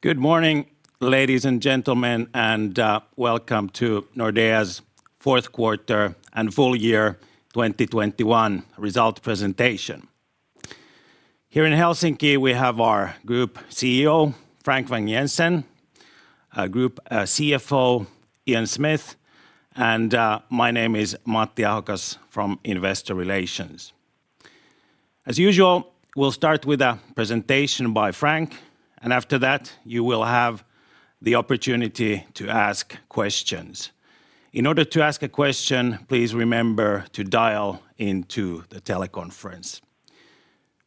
Good morning, ladies and gentlemen, and welcome to Nordea's fourth quarter and full year 2021 result presentation. Here in Helsinki, we have our Group CEO, Frank Vang-Jensen, our Group CFO, Ian Smith, and my name is Matti Ahokas from Investor Relations. As usual, we'll start with a presentation by Frank, and after that you will have the opportunity to ask questions. In order to ask a question, please remember to dial into the teleconference.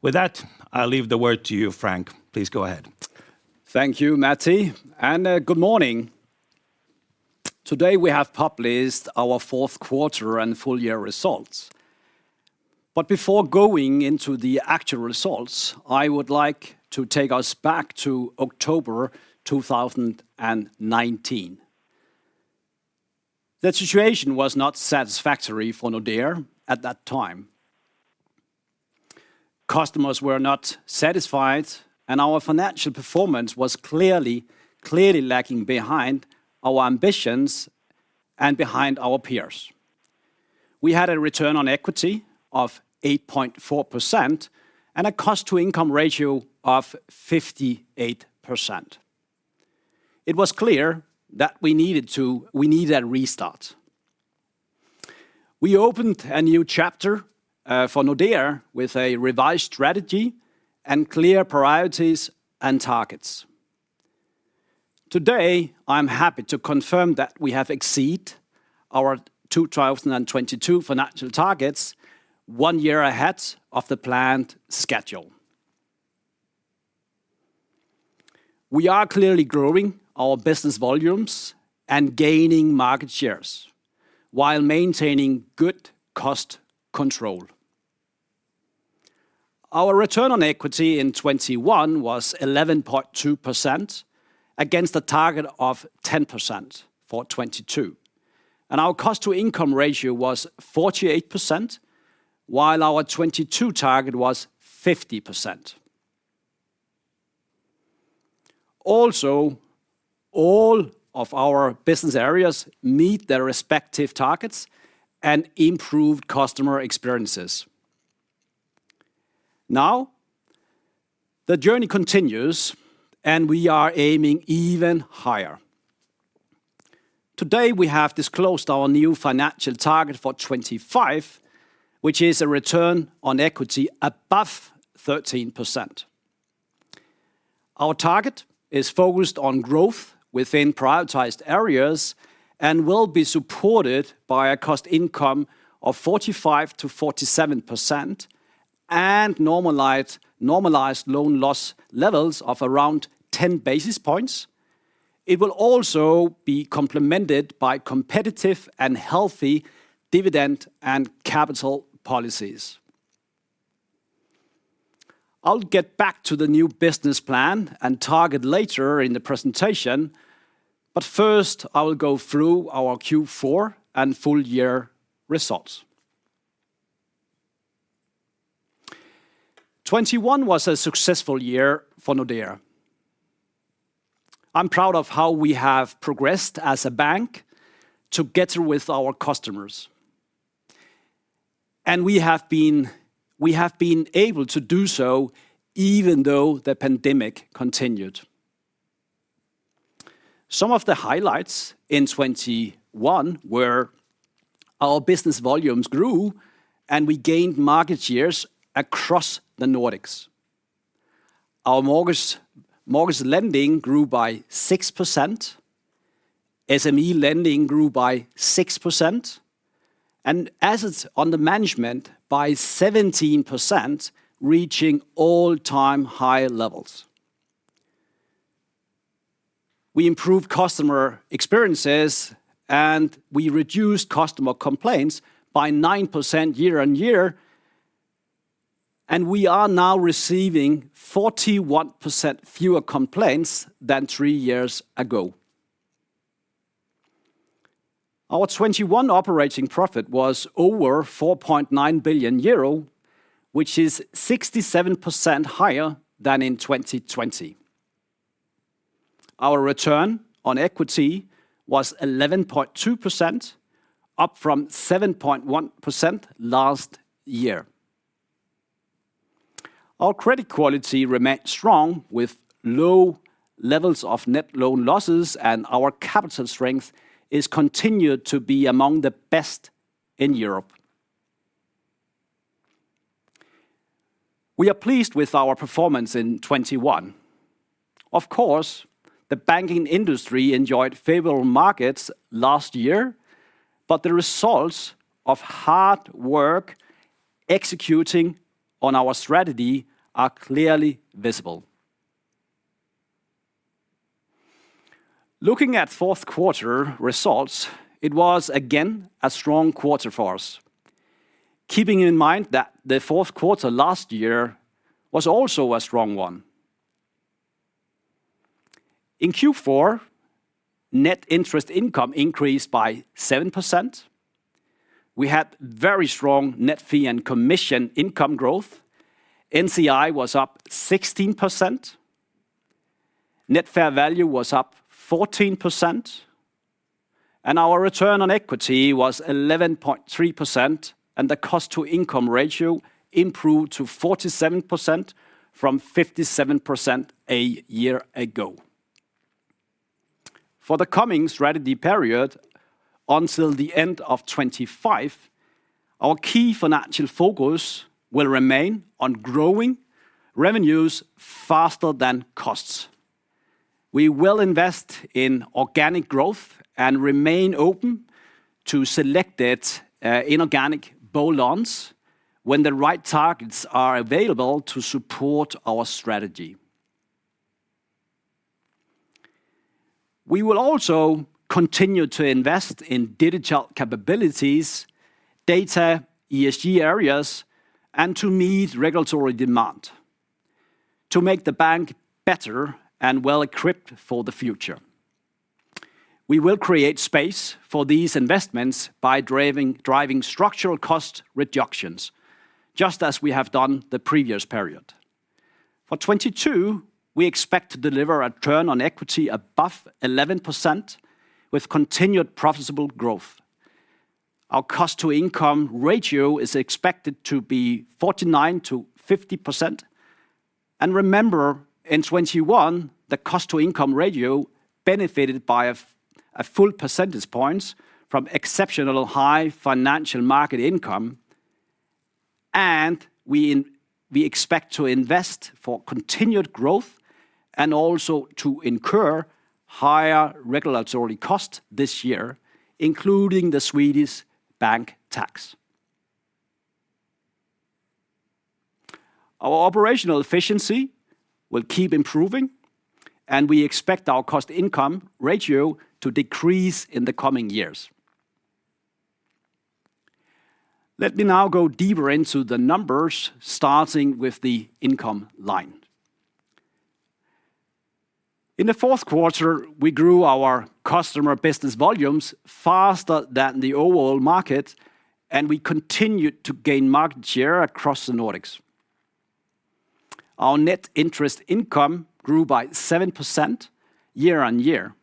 With that, I'll leave the word to you, Frank. Please go ahead. Thank you, Matti, and good morning. Today we have published our fourth quarter and full year results. Before going into the actual results, I would like to take us back to October 2019. The situation was not satisfactory for Nordea at that time. Customers were not satisfied, and our financial performance was clearly lagging behind our ambitions and behind our peers. We had a return on equity of 8.4% and a cost-to-income ratio of 58%. It was clear that we need a restart. We opened a new chapter for Nordea with a revised strategy and clear priorities and targets. Today, I'm happy to confirm that we have exceed our 2022 financial targets one year ahead of the planned schedule. We are clearly growing our business volumes and gaining market shares while maintaining good cost control. Our return on equity in 2021 was 11.2% against a target of 10% for 2022. Our cost-to-income ratio was 48%, while our 2022 target was 50%. Also, all of our business areas meet their respective targets and improved customer experiences. Now, the journey continues, and we are aiming even higher. Today, we have disclosed our new financial target for 2025, which is a return on equity above 13%. Our target is focused on growth within prioritized areas and will be supported by a cost-to-income of 45%-47% and normalized loan loss levels of around 10 basis points. It will also be complemented by competitive and healthy dividend and capital policies. I'll get back to the new business plan and target later in the presentation, but first I will go through our Q4 and full year results. 2021 was a successful year for Nordea. I'm proud of how we have progressed as a bank together with our customers. We have been able to do so even though the pandemic continued. Some of the highlights in 2021 were our business volumes grew, and we gained market shares across the Nordics. Our mortgage lending grew by 6%, SME lending grew by 6%, and assets under management by 17%, reaching all-time high levels. We improved customer experiences, and we reduced customer complaints by 9% year on year, and we are now receiving 41% fewer complaints than three years ago. Our 2021 operating profit was over 4.9 billion euro, which is 67% higher than in 2020. Our return on equity was 11.2%, up from 7.1% last year. Our credit quality remained strong with low levels of net loan losses, and our capital strength is continued to be among the best in Europe. We are pleased with our performance in 2021. Of course, the banking industry enjoyed favorable markets last year, but the results of hard work executing on our strategy are clearly visible. Looking at fourth quarter results, it was again a strong quarter for us. Keeping in mind that the fourth quarter last year was also a strong one. In Q4, net interest income increased by 7%. We had very strong net fee and commission income growth. NCI was up 16%. Net fair value was up 14%, and our return on equity was 11.3%, and the cost-to-income ratio improved to 47% from 57% a year ago. For the coming strategy period until the end of 2025, our key financial focus will remain on growing revenues faster than costs. We will invest in organic growth and remain open to selected inorganic bolt-ons when the right targets are available to support our strategy. We will also continue to invest in digital capabilities, data, ESG areas, and to meet regulatory demand to make the bank better and well-equipped for the future. We will create space for these investments by driving structural cost reductions, just as we have done the previous period. For 2022, we expect to deliver a return on equity above 11% with continued profitable growth. Our cost-to-income ratio is expected to be 49%-50%. Remember, in 2021, the cost-to-income ratio benefited by a full percentage points from exceptional high financial market income. We expect to invest for continued growth and also to incur higher regulatory costs this year, including the Swedish bank tax. Our operational efficiency will keep improving, and we expect our cost-to-income ratio to decrease in the coming years. Let me now go deeper into the numbers, starting with the income line. In the fourth quarter, we grew our customer business volumes faster than the overall market, and we continued to gain market share across the Nordics. Our net interest income grew by 7% year-on-year,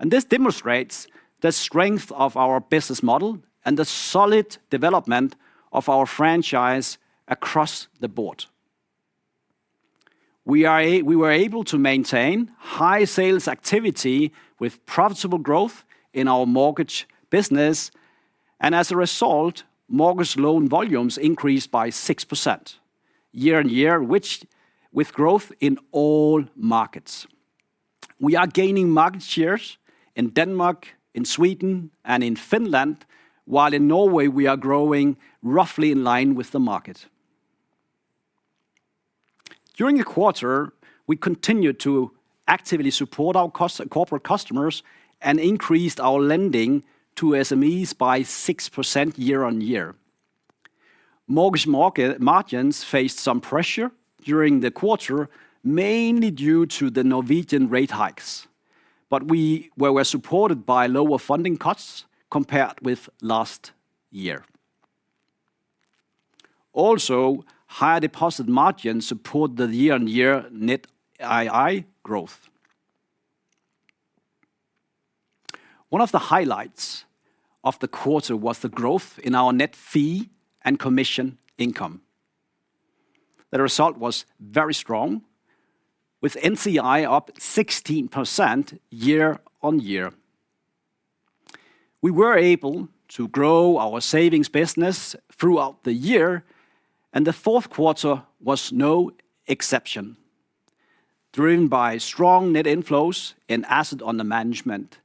and this demonstrates the strength of our business model and the solid development of our franchise across the board. We were able to maintain high sales activity with profitable growth in our mortgage business, and as a result, mortgage loan volumes increased by 6% year-on-year, which, with growth in all markets. We are gaining market shares in Denmark, in Sweden, and in Finland, while in Norway we are growing roughly in line with the market. During the quarter, we continued to actively support our corporate customers and increased our lending to SMEs by 6% year-on-year. Mortgage market margins faced some pressure during the quarter, mainly due to the Norwegian rate hikes. We were supported by lower funding costs compared with last year. Also, higher deposit margins support the year-on-year net NII growth. One of the highlights of the quarter was the growth in our net fee and commission income. The result was very strong, with NCI up 16% year-over-year. We were able to grow our savings business throughout the year, and the fourth quarter was no exception. Driven by strong net inflows in assets under management,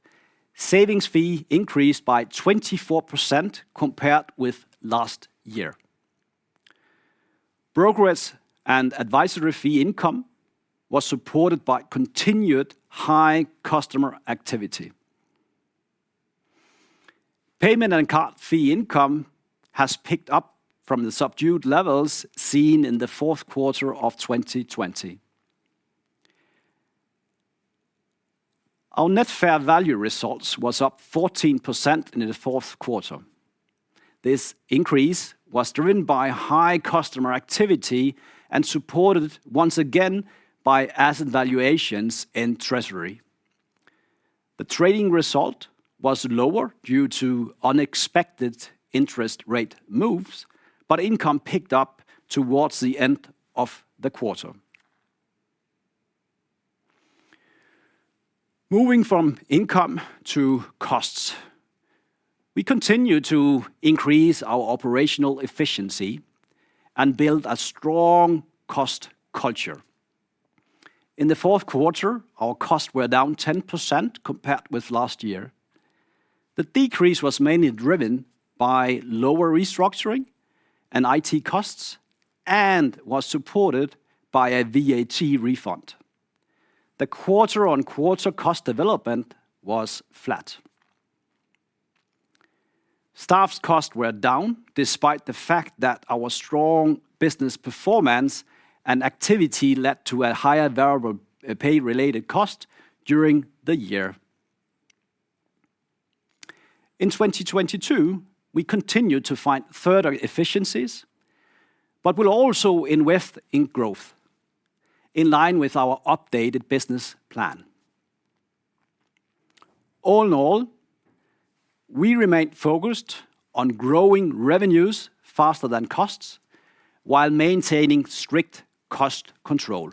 savings fee increased by 24% compared with last year. Brokerage and advisory fee income was supported by continued high customer activity. Payment and card fee income has picked up from the subdued levels seen in the fourth quarter of 2020. Our net fair value result was up 14% in the fourth quarter. This increase was driven by high customer activity and supported once again by asset valuations in treasury. The trading result was lower due to unexpected interest rate moves, but income picked up towards the end of the quarter. Moving from income to costs, we continue to increase our operational efficiency and build a strong cost culture. In the fourth quarter, our costs were down 10% compared with last year. The decrease was mainly driven by lower restructuring and IT costs and was supported by a VAT refund. The quarter-on-quarter cost development was flat. Staff costs were down despite the fact that our strong business performance and activity led to a higher variable, pay-related cost during the year. In 2022, we continued to find further efficiencies, but will also invest in growth in line with our updated business plan. All in all, we remain focused on growing revenues faster than costs while maintaining strict cost control.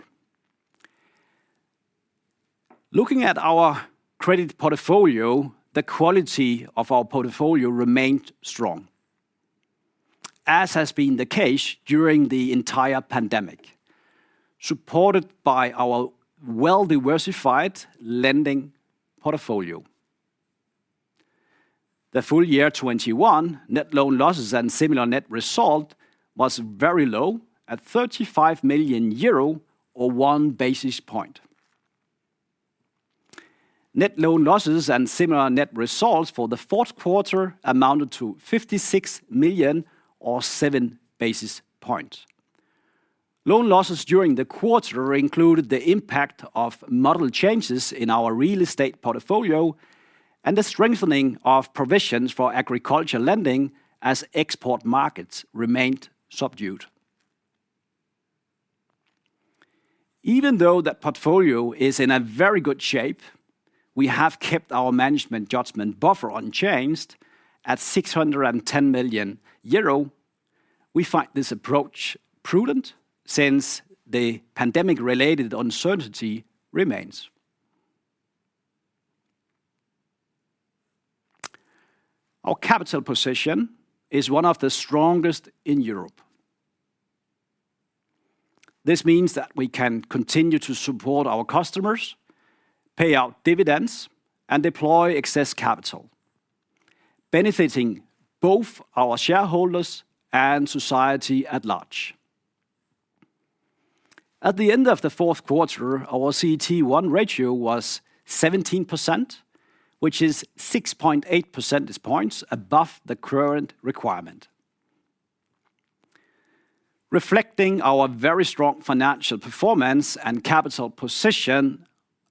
Looking at our credit portfolio, the quality of our portfolio remained strong, as has been the case during the entire pandemic, supported by our well-diversified lending portfolio. The full year 2021 net loan losses and similar net result was very low at 35 million euro or 1 basis point. Net loan losses and similar net results for the fourth quarter amounted to 56 million or 7 basis points. Loan losses during the quarter included the impact of model changes in our real estate portfolio and the strengthening of provisions for agriculture lending as export markets remained subdued. Even though the portfolio is in a very good shape, we have kept our management judgment buffer unchanged at 610 million euro. We find this approach prudent since the pandemic-related uncertainty remains. Our capital position is one of the strongest in Europe. This means that we can continue to support our customers, pay out dividends, and deploy excess capital, benefiting both our shareholders and society at large. At the end of the fourth quarter, our CET1 ratio was 17%, which is 6.8 percentage points above the current requirement. Reflecting our very strong financial performance and capital position,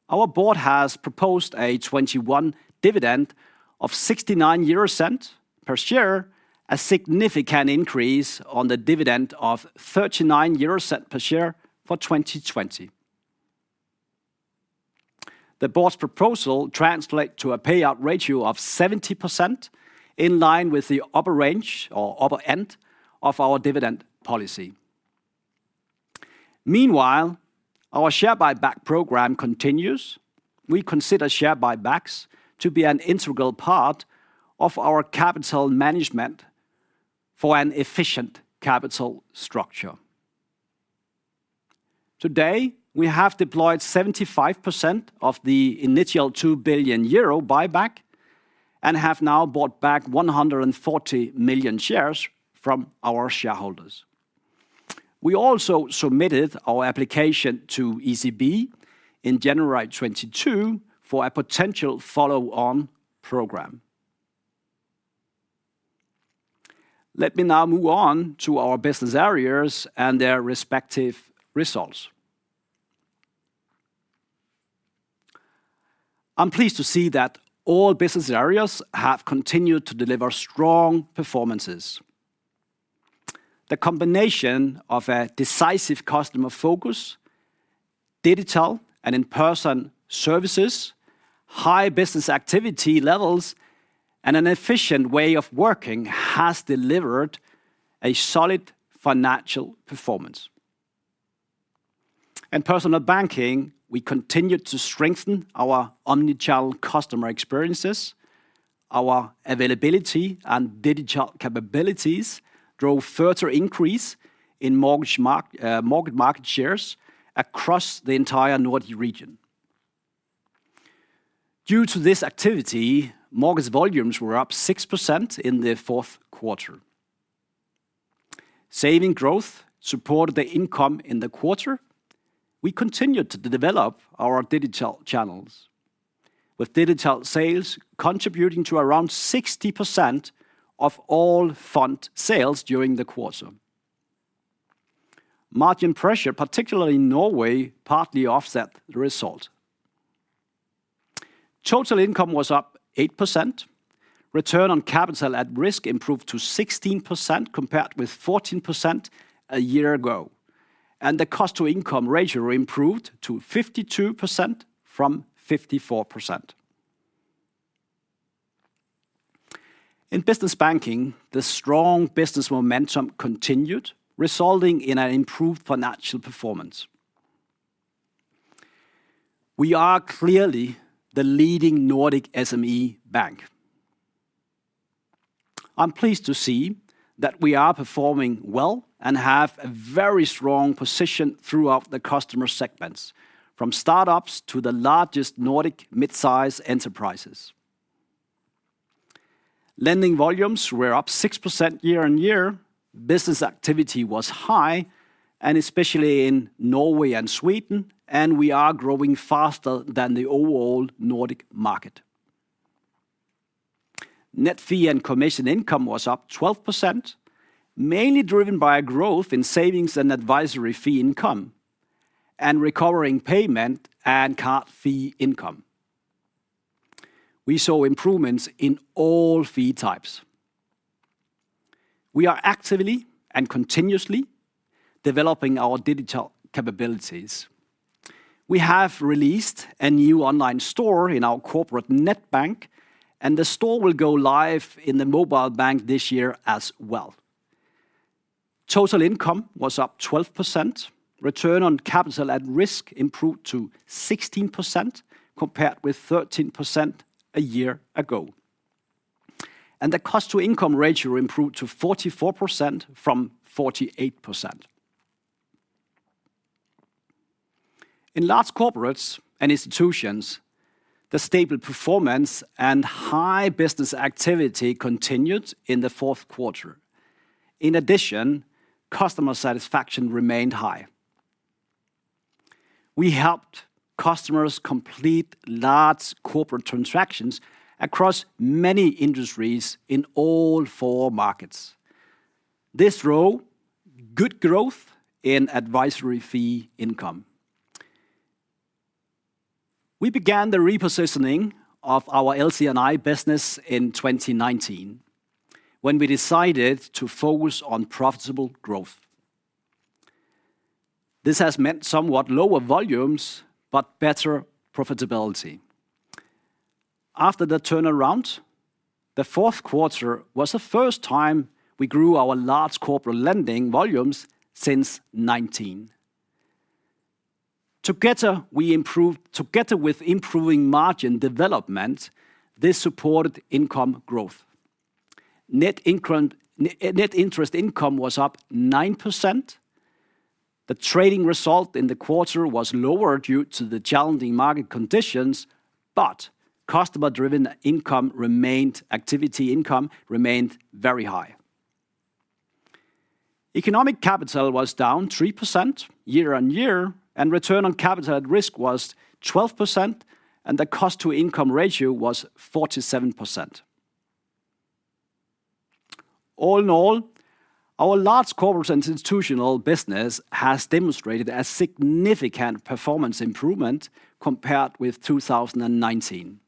our board has proposed a 2021 dividend of 0.69 per share, a significant increase on the dividend of 0.39 per share for 2020. The board's proposal translate to a payout ratio of 70% in line with the upper range or upper end of our dividend policy. Meanwhile, our share buyback program continues. We consider share buybacks to be an integral part of our capital management for an efficient capital structure. Today, we have deployed 75% of the initial 2 billion euro buyback and have now bought back 140 million shares from our shareholders. We also submitted our application to ECB in January 2022 for a potential follow-on program. Let me now move on to our business areas and their respective results. I'm pleased to see that all business areas have continued to deliver strong performances. The combination of a decisive customer focus, digital and in-person services, high business activity levels, and an efficient way of working has delivered a solid financial performance. In personal banking, we continued to strengthen our omni-channel customer experiences. Our availability and digital capabilities drove further increase in mortgage market shares across the entire Nordic region. Due to this activity, mortgage volumes were up 6% in the fourth quarter. Savings growth supported the income in the quarter. We continued to develop our digital channels, with digital sales contributing to around 60% of all fund sales during the quarter. Margin pressure, particularly in Norway, partly offset the result. Total income was up 8%. Return on capital at risk improved to 16% compared with 14% a year ago. The cost-to-income ratio improved to 52% from 54%. In business banking, the strong business momentum continued, resulting in an improved financial performance. We are clearly the leading Nordic SME bank. I'm pleased to see that we are performing well and have a very strong position throughout the customer segments, from startups to the largest Nordic mid-size enterprises. Lending volumes were up 6% year-on-year. Business activity was high, and especially in Norway and Sweden, and we are growing faster than the overall Nordic market. Net fee and commission income was up 12%, mainly driven by a growth in savings and advisory fee income and recovering payment and card fee income. We saw improvements in all fee types. We are actively and continuously developing our digital capabilities. We have released a new online store in our corporate net bank, and the store will go live in the mobile bank this year as well. Total income was up 12%. Return on capital at risk improved to 16% compared with 13% a year ago. The cost-to-income ratio improved to 44% from 48%. In Large Corporates & Institutions, the stable performance and high business activity continued in the fourth quarter. In addition, customer satisfaction remained high. We helped customers complete large corporate transactions across many industries in all four markets. This drove good growth in advisory fee income. We began the repositioning of our LC&I business in 2019 when we decided to focus on profitable growth. This has meant somewhat lower volumes, but better profitability. After the turnaround, the fourth quarter was the first time we grew our Large Corporates & Institutions lending volumes since 2019. Together with improving margin development, this supported income growth. Net interest income was up 9%. The trading result in the quarter was lower due to the challenging market conditions, but activity income remained very high. Economic capital was down 3% year-on-year, and return on capital at risk was 12%, and the cost-to-income ratio was 47%. All in all, our Large Corporates & Institutions business has demonstrated a significant performance improvement compared with 2019.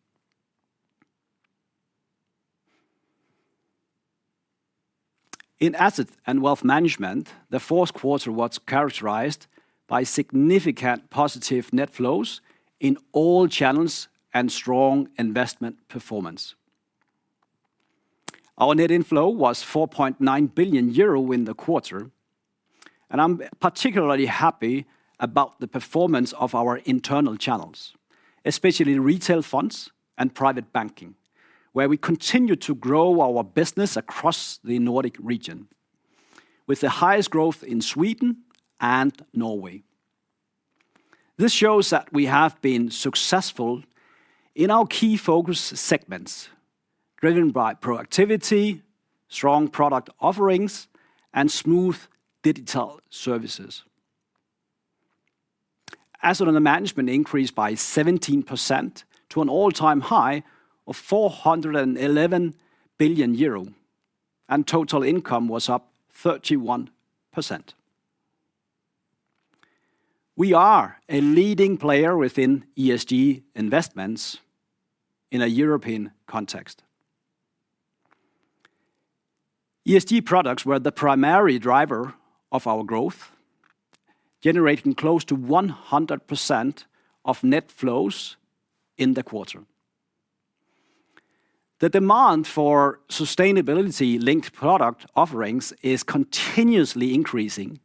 In Asset & Wealth Management, the fourth quarter was characterized by significant positive net flows in all channels and strong investment performance. Our net inflow was 4.9 billion euro in the quarter, and I'm particularly happy about the performance of our internal channels, especially retail funds and private banking, where we continue to grow our business across the Nordic region, with the highest growth in Sweden and Norway. This shows that we have been successful in our key focus segments driven by proactivity, strong product offerings, and smooth digital services. Assets under management increased by 17% to an all-time high of 411 billion euro, and total income was up 31%. We are a leading player within ESG investments in a European context. ESG products were the primary driver of our growth, generating close to 100% of net flows in the quarter. The demand for sustainability-linked product offerings is continuously increasing,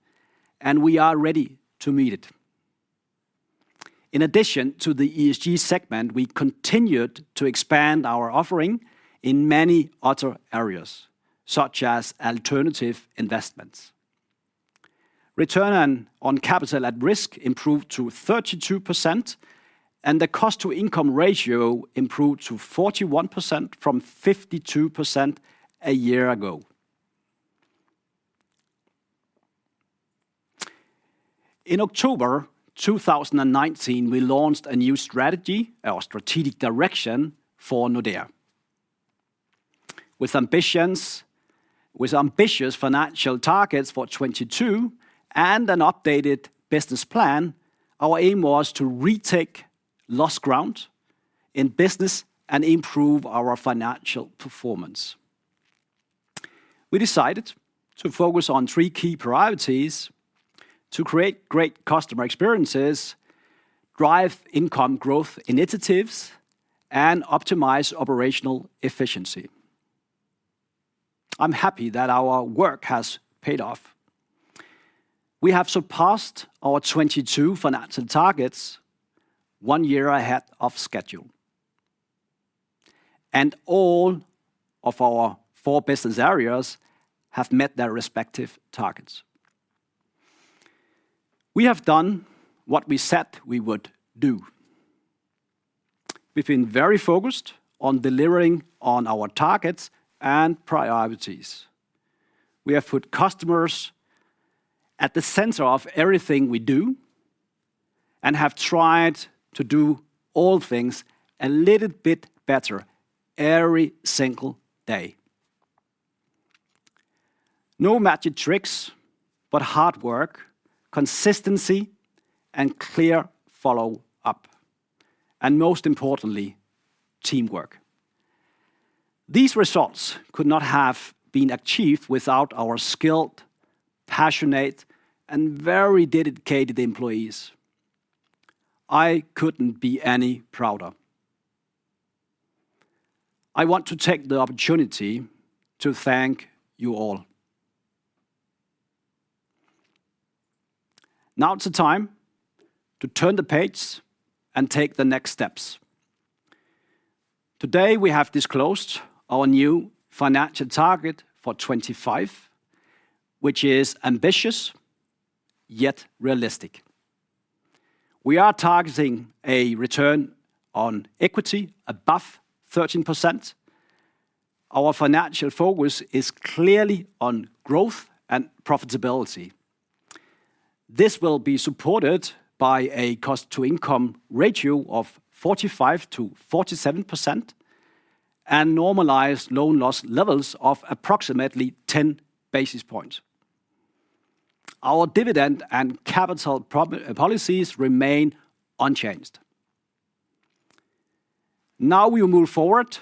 and we are ready to meet it. In addition to the ESG segment, we continued to expand our offering in many other areas, such as alternative investments. Return on capital at risk improved to 32%, and the cost-to-income ratio improved to 41% from 52% a year ago. In October 2019, we launched a new strategy, our strategic direction for Nordea. With ambitious financial targets for 2022 and an updated business plan, our aim was to retake lost ground in business and improve our financial performance. We decided to focus on three key priorities to create great customer experiences, drive income growth initiatives, and optimize operational efficiency. I'm happy that our work has paid off. We have surpassed our 2022 financial targets one year ahead of schedule. All of our four business areas have met their respective targets. We have done what we said we would do. We've been very focused on delivering on our targets and priorities. We have put customers at the center of everything we do, and have tried to do all things a little bit better every single day. No magic tricks, but hard work, consistency, and clear follow up, and most importantly, teamwork. These results could not have been achieved without our skilled, passionate, and very dedicated employees. I couldn't be any prouder. I want to take the opportunity to thank you all. Now it's the time to turn the page and take the next steps. Today, we have disclosed our new financial target for 25, which is ambitious, yet realistic. We are targeting a return on equity above 13%. Our financial focus is clearly on growth and profitability. This will be supported by a cost-to-income ratio of 45%-47% and normalized loan loss levels of approximately 10 basis points. Our dividend and capital policies remain unchanged. Now we will move forward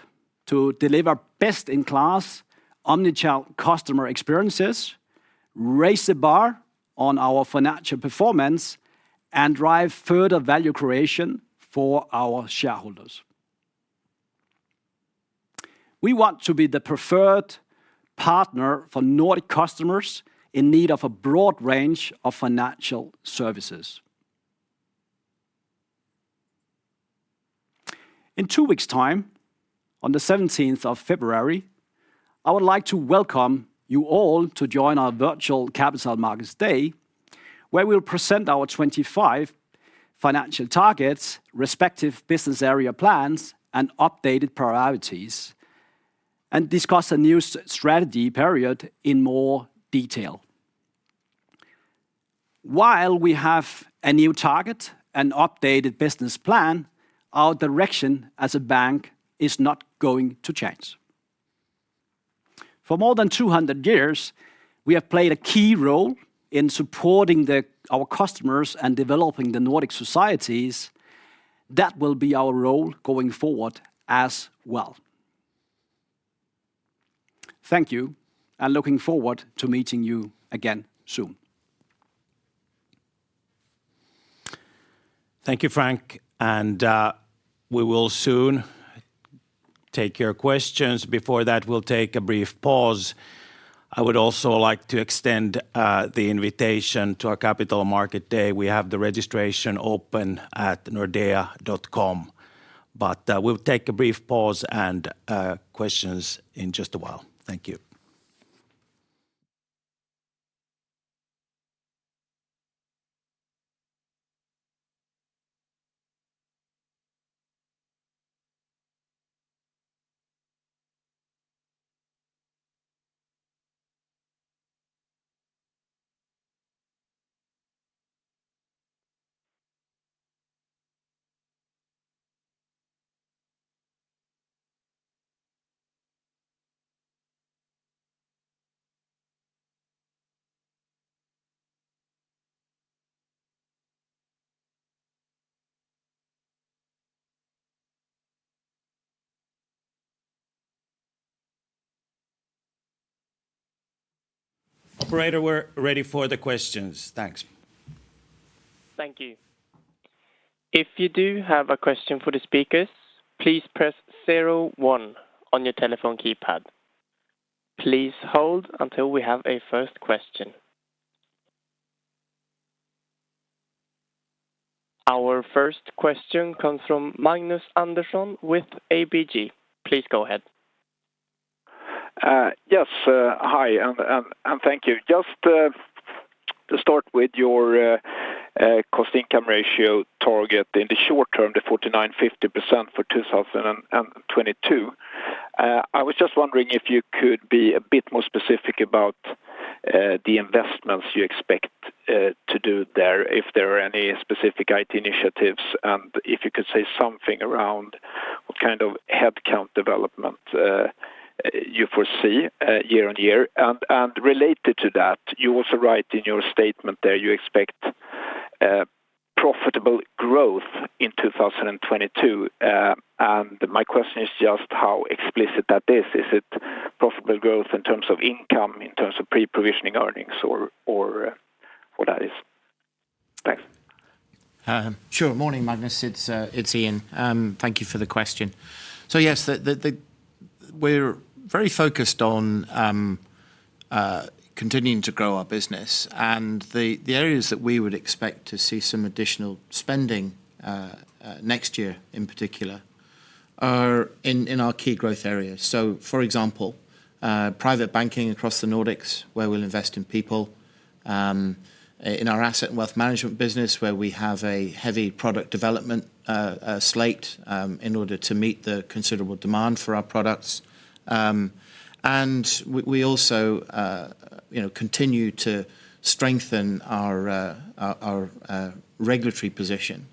to deliver best-in-class omnichannel customer experiences, raise the bar on our financial performance, and drive further value creation for our shareholders. We want to be the preferred partner for Nordic customers in need of a broad range of financial services. In two weeks time, on the 17th of February, I would like to welcome you all to join our virtual Capital Markets Day, where we'll present our 25 financial targets, respective business area plans, and updated priorities, and discuss a new strategy period in more detail. While we have a new target and updated business plan, our direction as a bank is not going to change. For more than 200 years, we have played a key role in supporting our customers and developing the Nordic societies. That will be our role going forward as well. Thank you, and looking forward to meeting you again soon. Thank you, Frank, and we will soon take your questions. Before that, we'll take a brief pause. I would also like to extend the invitation to our Capital Markets Day. We have the registration open at nordea.com. We'll take a brief pause and questions in just a while. Thank you. Operator, we're ready for the questions. Thanks. Thank you. If you do have a question for the speakers, please press zero one on your telephone keypad. Please hold until we have a first question. Our first question comes from Magnus Andersson with ABG. Please go ahead. Yes, hi, and thank you. Just to start with your cost-to-income ratio target in the short term, the 49%-50% for 2022. I was just wondering if you could be a bit more specific about the investments you expect to do there, if there are any specific IT initiatives, and if you could say something around what kind of headcount development you foresee year on year. Related to that, you also write in your statement there you expect profitable growth in 2022. My question is just how explicit that is. Is it profitable growth in terms of income, in terms of pre-provisioning earnings or what that is? Thanks. Sure. Morning, Magnus. It's Ian. Thank you for the question. Yes, we're very focused on continuing to grow our business and the areas that we would expect to see some additional spending next year, in particular, are in our key growth areas. For example, private banking across the Nordics where we'll invest in people, in our Asset & Wealth Management business where we have a heavy product development slate in order to meet the considerable demand for our products. We also, you know, continue to strengthen our regulatory position.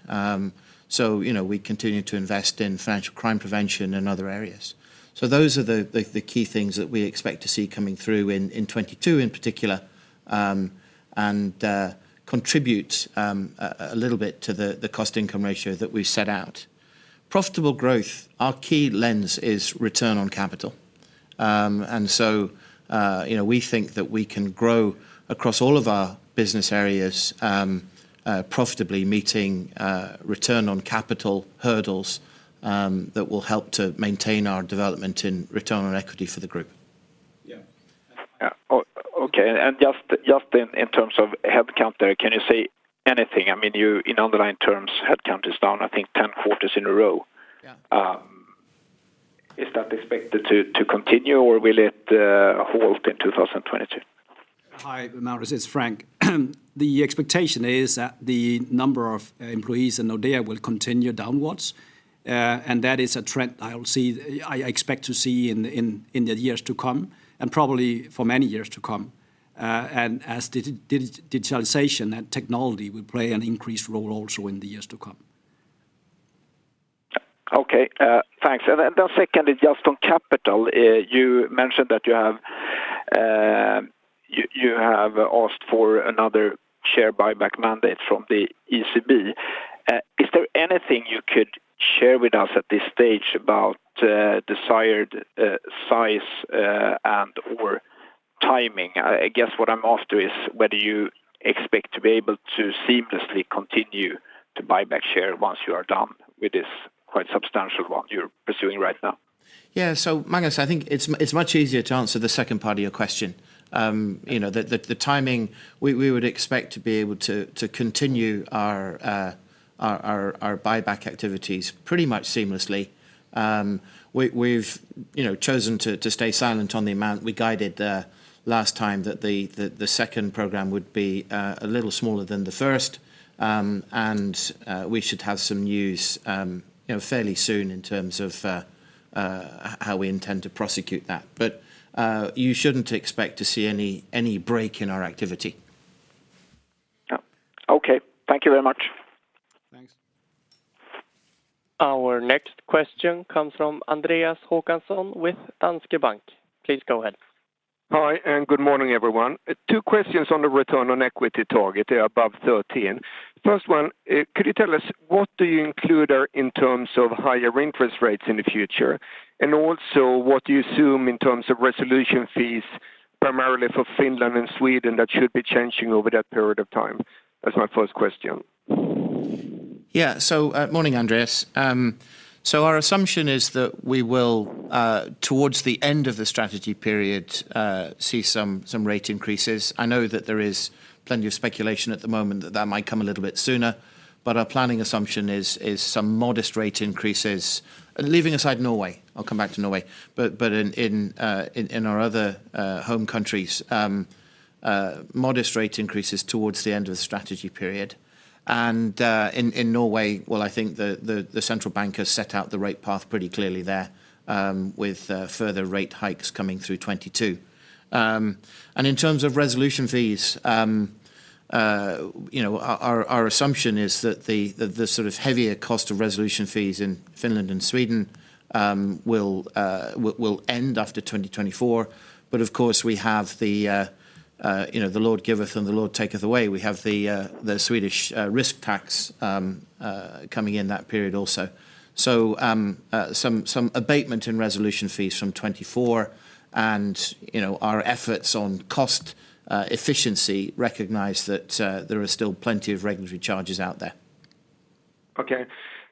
You know, we continue to invest in financial crime prevention in other areas. Those are the key things that we expect to see coming through in 2022 in particular and contribute a little bit to the cost-to-income ratio that we've set out. Profitable growth, our key lens is return on capital. You know, we think that we can grow across all of our business areas profitably meeting return on capital hurdles that will help to maintain our development and return on equity for the group. Yeah. Yeah. Okay. Just in terms of head count there, can you say anything? I mean, in underlying terms, head count is down I think 10 quarters in a row. Yeah. Is that expected to continue or will it halt in 2022? Hi Magnus, it's Frank. The expectation is that the number of employees in Nordea will continue downwards. That is a trend I expect to see in the years to come and probably for many years to come. Digitalization and technology will play an increased role also in the years to come. Okay. Thanks. The second is just on capital. You mentioned that you have asked for another share buyback mandate from the ECB. Is there anything you could share with us at this stage about desired size and or timing? I guess what I'm after is whether you expect to be able to seamlessly continue to buy back shares once you are done with this quite substantial one you're pursuing right now. Yeah. Magnus, I think it's much easier to answer the second part of your question. You know, the timing we would expect to be able to continue our buyback activities pretty much seamlessly. We've, you know, chosen to stay silent on the amount. We guided the last time that the second program would be a little smaller than the first. We should have some news, you know, fairly soon in terms of how we intend to prosecute that. You shouldn't expect to see any break in our activity. Yeah. Okay. Thank you very much. Thanks. Our next question comes from Andreas Håkansson with Danske Bank. Please go ahead. Hi, and good morning everyone. Two questions on the return on equity target above 13%. First one, could you tell us what you include in terms of higher interest rates in the future, and also what do you assume in terms of resolution fees primarily for Finland and Sweden that should be changing over that period of time? That's my first question. Yeah. Morning, Andreas. Our assumption is that we will, towards the end of the strategy period, see some rate increases. I know that there is plenty of speculation at the moment that might come a little bit sooner. Our planning assumption is some modest rate increases, leaving aside Norway, I'll come back to Norway. In our other home countries, modest rate increases towards the end of the strategy period. In Norway, well, I think the central bank has set out the rate path pretty clearly there, with further rate hikes coming through 2022. In terms of resolution fees, you know, our assumption is that the sort of heavier cost of resolution fees in Finland and Sweden will end after 2024. Of course we have the, you know, the Lord giveth and the Lord taketh away. We have the Swedish risk tax coming in that period also. Some abatement in resolution fees from 2024 and, you know, our efforts on cost efficiency recognize that there are still plenty of regulatory charges out there. Okay.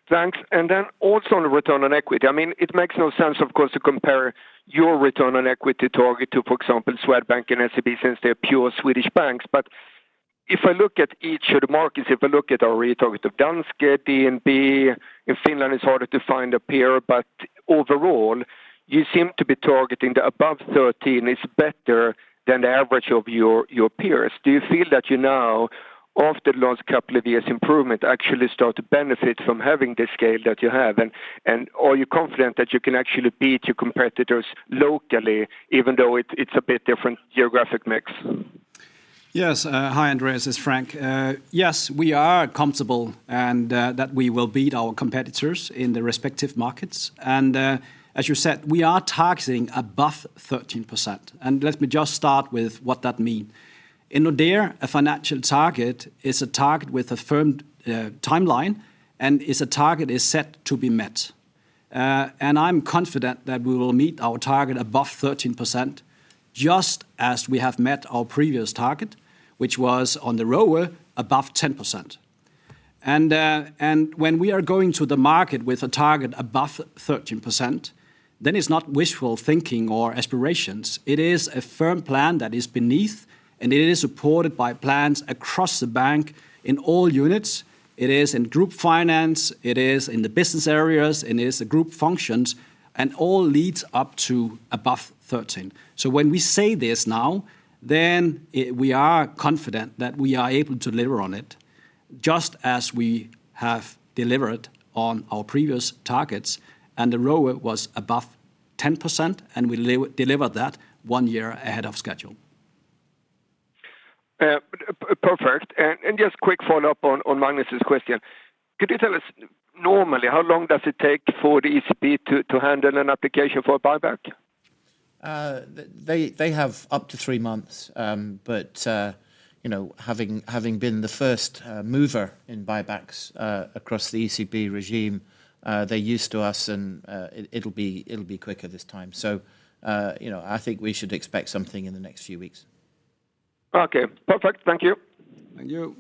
Thanks. Then also on the return on equity. I mean, it makes no sense of course to compare your return on equity target to, for example, Swedbank and SEB since they're pure Swedish banks. If I look at each of the markets, if I look at our target of Danske, DNB. In Finland, it's harder to find a peer, but overall you seem to be targeting above 13% which is better than the average of your peers. Do you feel that you now after last couple of years improvement actually start to benefit from having the scale that you have and are you confident that you can actually beat your competitors locally even though it's a bit different geographic mix? Yes. Hi Andreas, it's Frank. Yes, we are comfortable that we will beat our competitors in the respective markets. As you said, we are targeting above 13%. Let me just start with what that means. In Nordea, a financial target is a target with a firm timeline and is a target set to be met. I'm confident that we will meet our target above 13%, just as we have met our previous target, which was on the ROE above 10%. When we are going to the market with a target above 13% It's not wishful thinking or aspirations. It is a firm plan that is backed, and it is supported by plans across the bank in all units. It is in group finance, it is in the business areas, it is the group functions, and all leads up to above 13. When we say this now, we are confident that we are able to deliver on it just as we have delivered on our previous targets, and the ROE was above 10%, and we delivered that one year ahead of schedule. Perfect. Just quick follow-up on Magnus' question. Could you tell us normally, how long does it take for the ECB to handle an application for a buyback? They have up to three months. You know, having been the first mover in buybacks across the ECB regime, they're used to us and it'll be quicker this time. You know, I think we should expect something in the next few weeks. Okay. Perfect. Thank you. Thank you.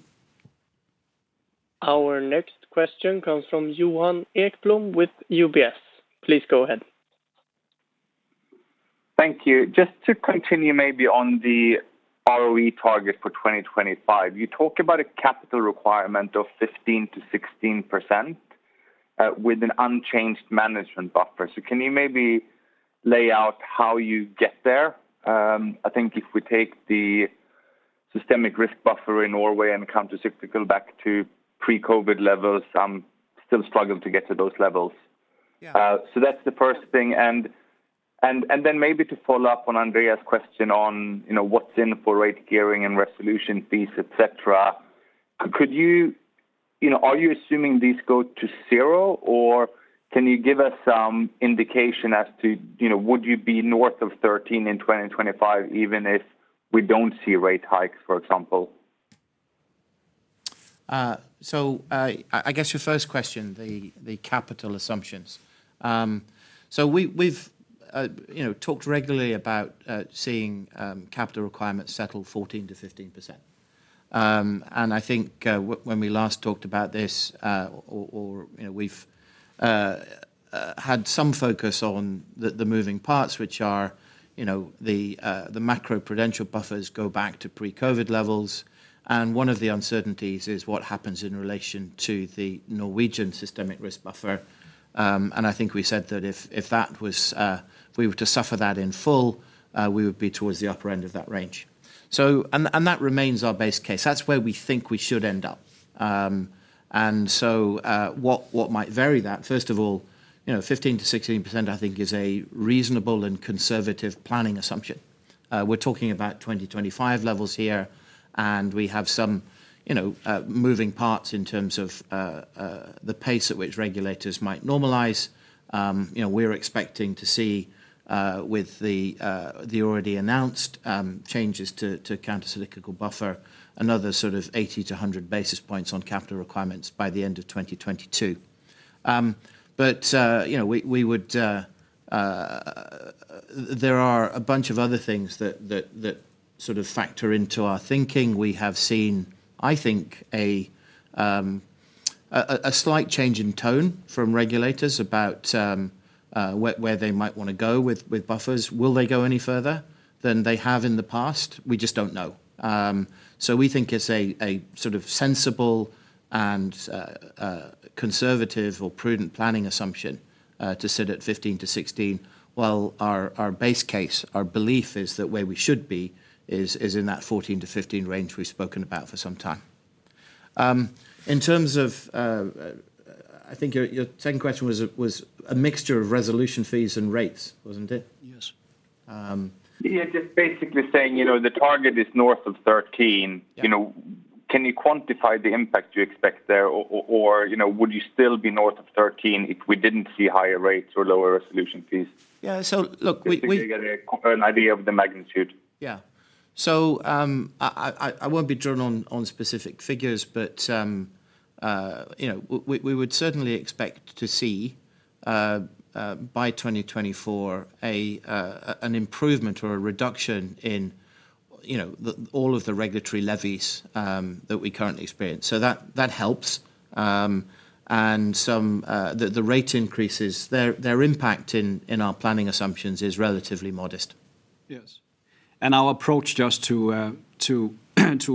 Our next question comes from Johan Ekblom with UBS. Please go ahead. Thank you. Just to continue maybe on the ROE target for 2025. You talk about a capital requirement of 15%-16%, with an unchanged management buffer. Can you maybe lay out how you get there? I think if we take the systemic risk buffer in Norway and countercyclical back to pre-COVID levels, some still struggle to get to those levels. Yeah. That's the first thing. Maybe to follow up on Andreas's question on, you know, what's in store for rate gearing and resolution fees, et cetera. Could you know, are you assuming these go to zero, or can you give us some indication as to, you know, would you be north of 13 in 2025, even if we don't see rate hikes, for example? I guess your first question, the capital assumptions. We've you know, talked regularly about seeing capital requirements settle 14%-15%. I think when we last talked about this, or you know, we've had some focus on the moving parts, which are you know, the macro-prudential buffers go back to pre-COVID levels, and one of the uncertainties is what happens in relation to the Norwegian systemic risk buffer. I think we said that if we were to suffer that in full, we would be towards the upper end of that range, and that remains our base case. That's where we think we should end up. What might vary that, first of all, you know, 15%-16% I think is a reasonable and conservative planning assumption. We're talking about 2025 levels here, and we have some, you know, moving parts in terms of the pace at which regulators might normalize. You know, we're expecting to see with the already announced changes to countercyclical buffer, another sort of 80-100 basis points on capital requirements by the end of 2022. There are a bunch of other things that factor into our thinking. We have seen, I think, a slight change in tone from regulators about where they might wanna go with buffers. Will they go any further than they have in the past? We just don't know. We think it's a sort of sensible and conservative or prudent planning assumption to sit at 15%-16%, while our base case, our belief is that where we should be is in that 14%-15% range we've spoken about for some time. In terms of, I think your second question was a mixture of resolution fees and rates, wasn't it? Yes. Um- Yeah, just basically saying, you know, the target is north of 13%. Yeah. You know, can you quantify the impact you expect there or, you know, would you still be north of 13% if we didn't see higher rates or lower resolution fees? Yeah. Look, we Just to get an idea of the magnitude. Yeah, I won't be drawn on specific figures, but you know, we would certainly expect to see by 2024 an improvement or a reduction in all of the regulatory levies that we currently experience. That helps. And somewhat, the rate increases' impact in our planning assumptions is relatively modest. Yes. Our approach, just to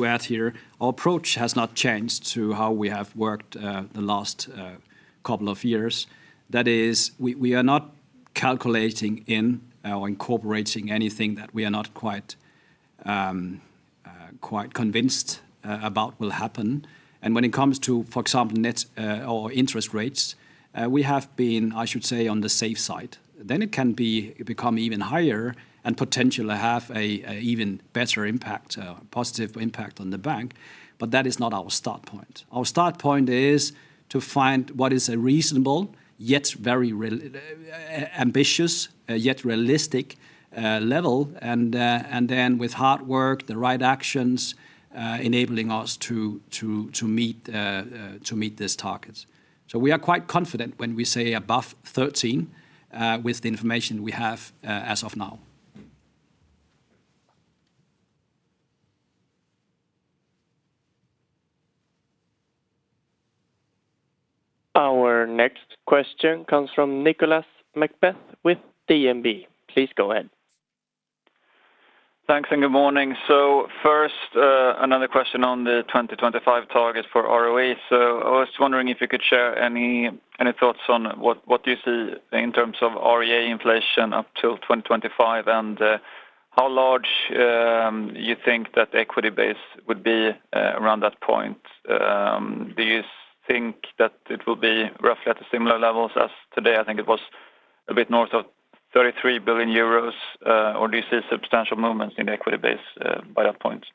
add here, our approach has not changed to how we have worked the last couple of years. That is, we are not calculating in or incorporating anything that we are not quite convinced about will happen. When it comes to, for example, net interest rates, we have been, I should say, on the safe side. It can become even higher and potentially have an even better, positive impact on the bank, but that is not our start point. Our start point is to find what is a reasonable, yet very ambitious, yet realistic level, and then with hard work, the right actions, enabling us to meet this target. We are quite confident when we say above 13%, with the information we have, as of now. Our next question comes from Nicolas McBeath with DNB. Please go ahead. Thanks and good morning. First, another question on the 2025 target for ROE. I was wondering if you could share any thoughts on what you see in terms of RWA inflation up till 2025 and how large you think that equity base would be around that point. Do you think that it will be roughly at the similar levels as today? I think it was a bit north of 33 billion euros. Or do you see substantial movements in the equity base by that point?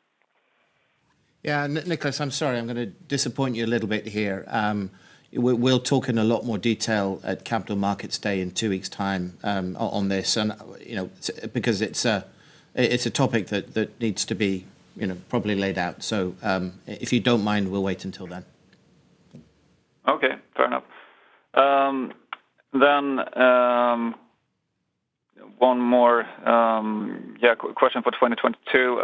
Yeah. Nicolas, I'm sorry, I'm gonna disappoint you a little bit here. We'll talk in a lot more detail at Capital Markets Day in two weeks' time on this. You know, because it's a topic that needs to be, you know, probably laid out. If you don't mind, we'll wait until then. Okay, fair enough. One more question for 2022.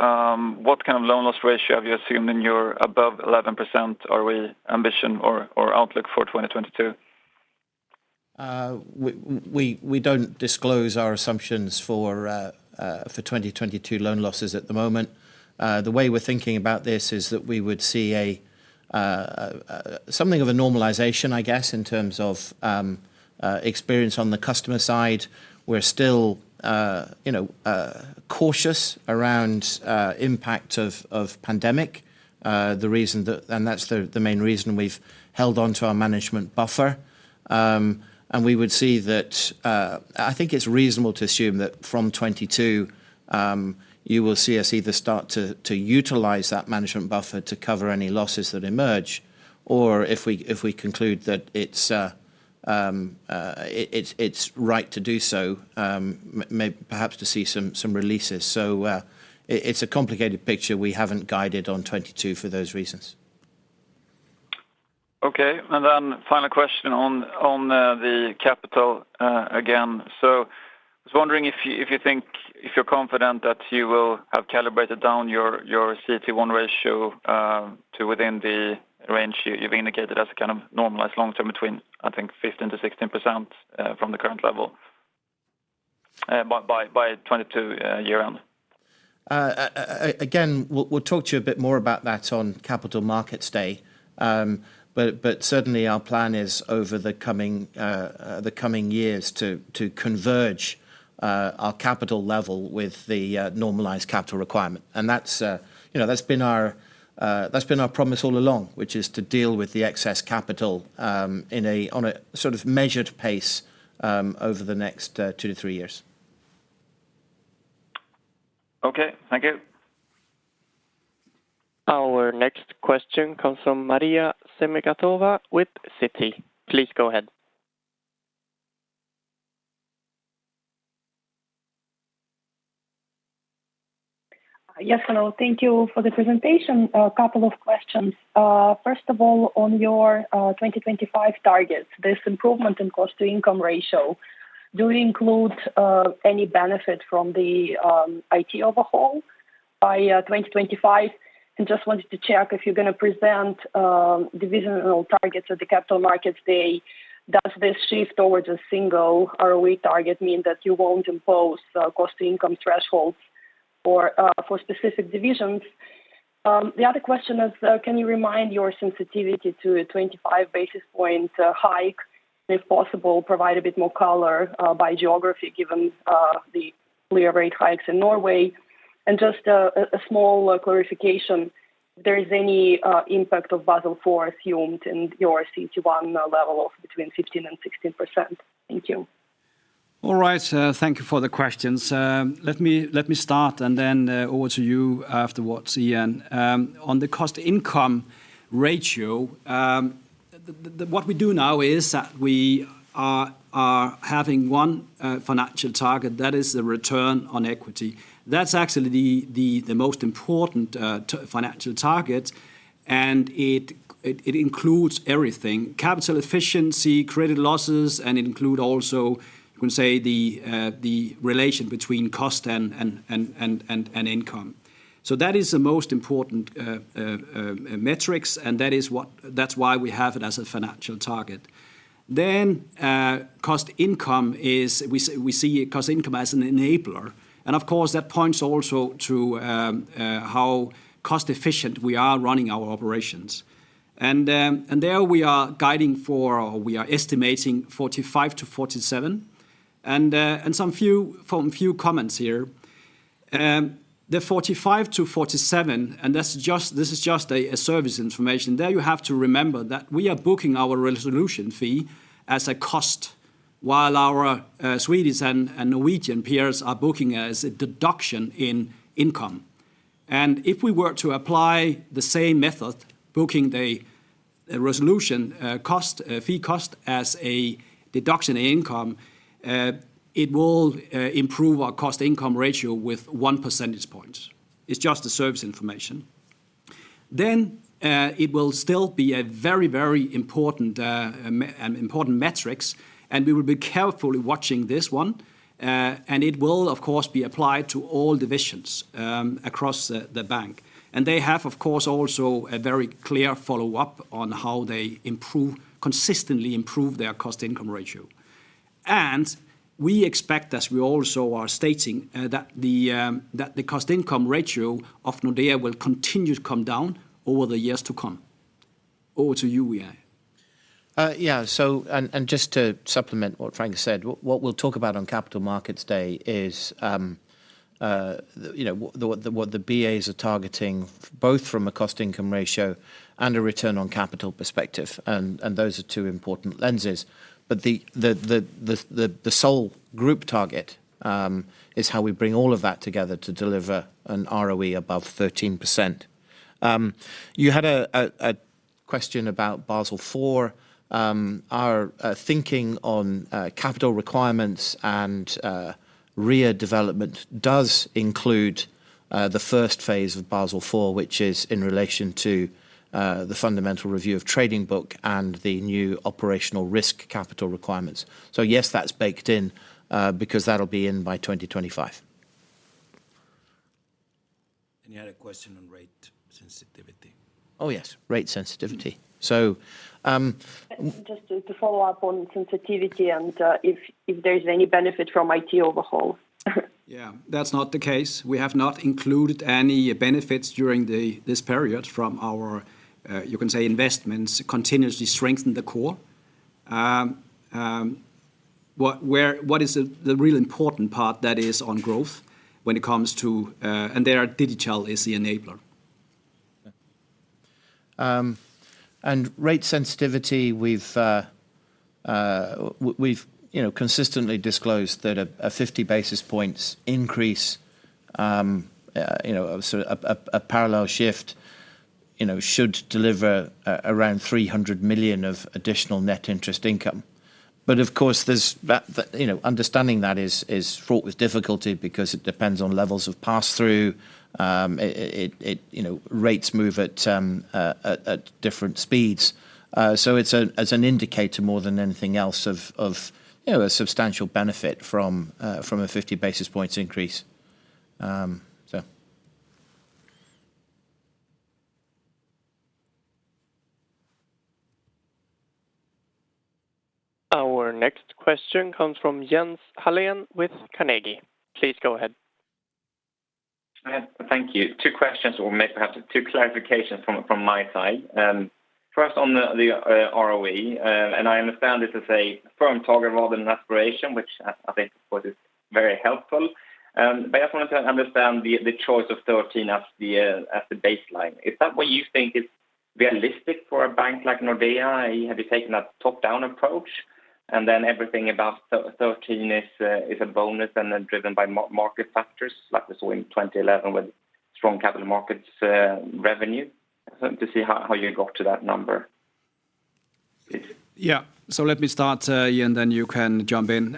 What kind of loan loss ratio have you assumed in your above 11% ROE ambition or outlook for 2022? We don't disclose our assumptions for 2022 loan losses at the moment. The way we're thinking about this is that we would see something of a normalization, I guess, in terms of experience on the customer side. We're still, you know, cautious around impact of pandemic. That's the main reason we've held on to our management buffer. We would see that. I think it's reasonable to assume that from 2022, you will see us either start to utilize that management buffer to cover any losses that emerge or if we conclude that it's right to do so, perhaps to see some releases. It's a complicated picture. We haven't guided on 2022 for those reasons. Okay. Final question on the capital again. I was wondering if you're confident that you will have calibrated down your CET1 ratio to within the range you've indicated as a kind of normalized long-term between, I think, 15%-16%, from the current level, by 2022 year end. Again, we'll talk to you a bit more about that on Capital Markets Day. Certainly our plan is over the coming years to converge our capital level with the normalized capital requirement. That's, you know, that's been our promise all along, which is to deal with the excess capital in a sort of measured pace over the next two to three years. Okay. Thank you. Our next question comes from Gulnara Saitkulova with Morgan Stanley. Please go ahead. Yes. Hello. Thank you for the presentation. A couple of questions. First of all, on your 2025 targets, this improvement in cost-to-income ratio, do you include any benefit from the IT overhaul by 2025? And just wanted to check if you're gonna present divisional targets at the Capital Markets Day, does this shift towards a single ROE target mean that you won't impose cost-to-income thresholds for specific divisions? The other question is, can you remind your sensitivity to a 25 basis point hike? If possible, provide a bit more color by geography, given the clear rate hikes in Norway. And just a small clarification, if there is any impact of Basel IV assumed in your CET1 level of between 15% and 16%. Thank you. All right. Thank you for the questions. Let me start and then over to you afterwards, Ian. On the cost-to-income ratio, what we do now is that we are having one financial target, that is the return on equity. That's actually the most important financial target, and it includes everything. Capital efficiency, credit losses, and include also, you can say the relation between cost and income. So that is the most important metrics, and that is why we have it as a financial target. Then, cost-to-income is we see cost-to-income as an enabler. Of course, that points also to how cost efficient we are running our operations. there we are guiding for or we are estimating 45%-47%. From a few comments here. The 45%-47%, this is just a service information. There you have to remember that we are booking our resolution fee as a cost, while our Swedish and Norwegian peers are booking as a deduction in income. If we were to apply the same method, booking the resolution fee cost as a deduction income, it will improve our cost-to-income ratio with 1 percentage point. It's just a service information. It will still be a very, very important metrics, and we will be carefully watching this one. It will of course be applied to all divisions across the bank. They have, of course, also a very clear follow-up on how they improve, consistently improve their cost-to-income ratio. We expect, as we also are stating, that the cost-to-income ratio of Nordea will continue to come down over the years to come. Over to you, Ian. Just to supplement what Frank said, what we'll talk about on Capital Markets Day is what the BAs are targeting both from a cost-to-income ratio and a return on capital perspective, and those are two important lenses. The overall group target is how we bring all of that together to deliver an ROE above 13%. You had a question about Basel IV. Our thinking on capital requirements and RWA development does include the first phase of Basel IV, which is in relation to the Fundamental Review of the Trading Book and the new operational risk capital requirements. Yes, that's baked in because that'll be in by 2025. You had a question on rate sensitivity. Oh, yes. Rate sensitivity. Just to follow up on sensitivity and if there's any benefit from IT overhaul. Yeah. That's not the case. We have not included any benefits during this period from our you can say investments continuously strengthen the core. What is the real important part that is on growth when it comes to and their digital is the enabler. Rate sensitivity, we've you know consistently disclosed that a 50 basis points increase, you know, a parallel shift you know should deliver around 300 million of additional net interest income. Of course, there's the you know understanding that is fraught with difficulty because it depends on levels of pass-through. It you know rates move at different speeds. It's as an indicator more than anything else of you know a substantial benefit from a 50 basis points increase. Our next question comes from Martin Ekstedt with Carnegie. Please go ahead. Thank you. Two questions or perhaps two clarifications from my side. First on the ROE, and I understand this is a firm target rather than aspiration, which I think of course is very helpful. But I just wanted to understand the choice of 13 as the baseline. Is that what you think is realistic for a bank like Nordea? Have you taken a top-down approach and then everything above 13 is a bonus and then driven by market factors like we saw in 2011 with strong capital markets revenue? To see how you got to that number. Yeah. Let me start, Ian, then you can jump in.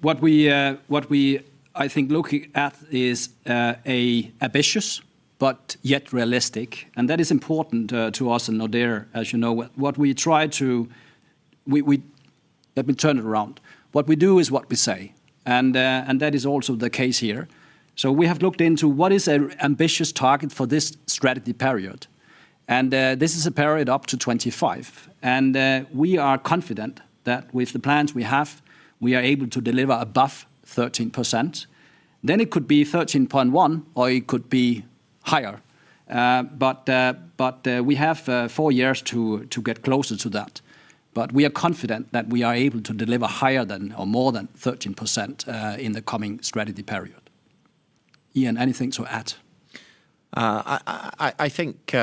What we're looking at, I think, is an ambitious but yet realistic, and that is important to us in Nordea as you know. Let me turn it around. What we do is what we say, and that is also the case here. We have looked into what is an ambitious target for this strategy period, and this is a period up to 25. We are confident that with the plans we have, we are able to deliver above 13%. It could be 13.1%, or it could be higher. We have four years to get closer to that. We are confident that we are able to deliver higher than or more than 13% in the coming strategy period. Ian, anything to add? I think you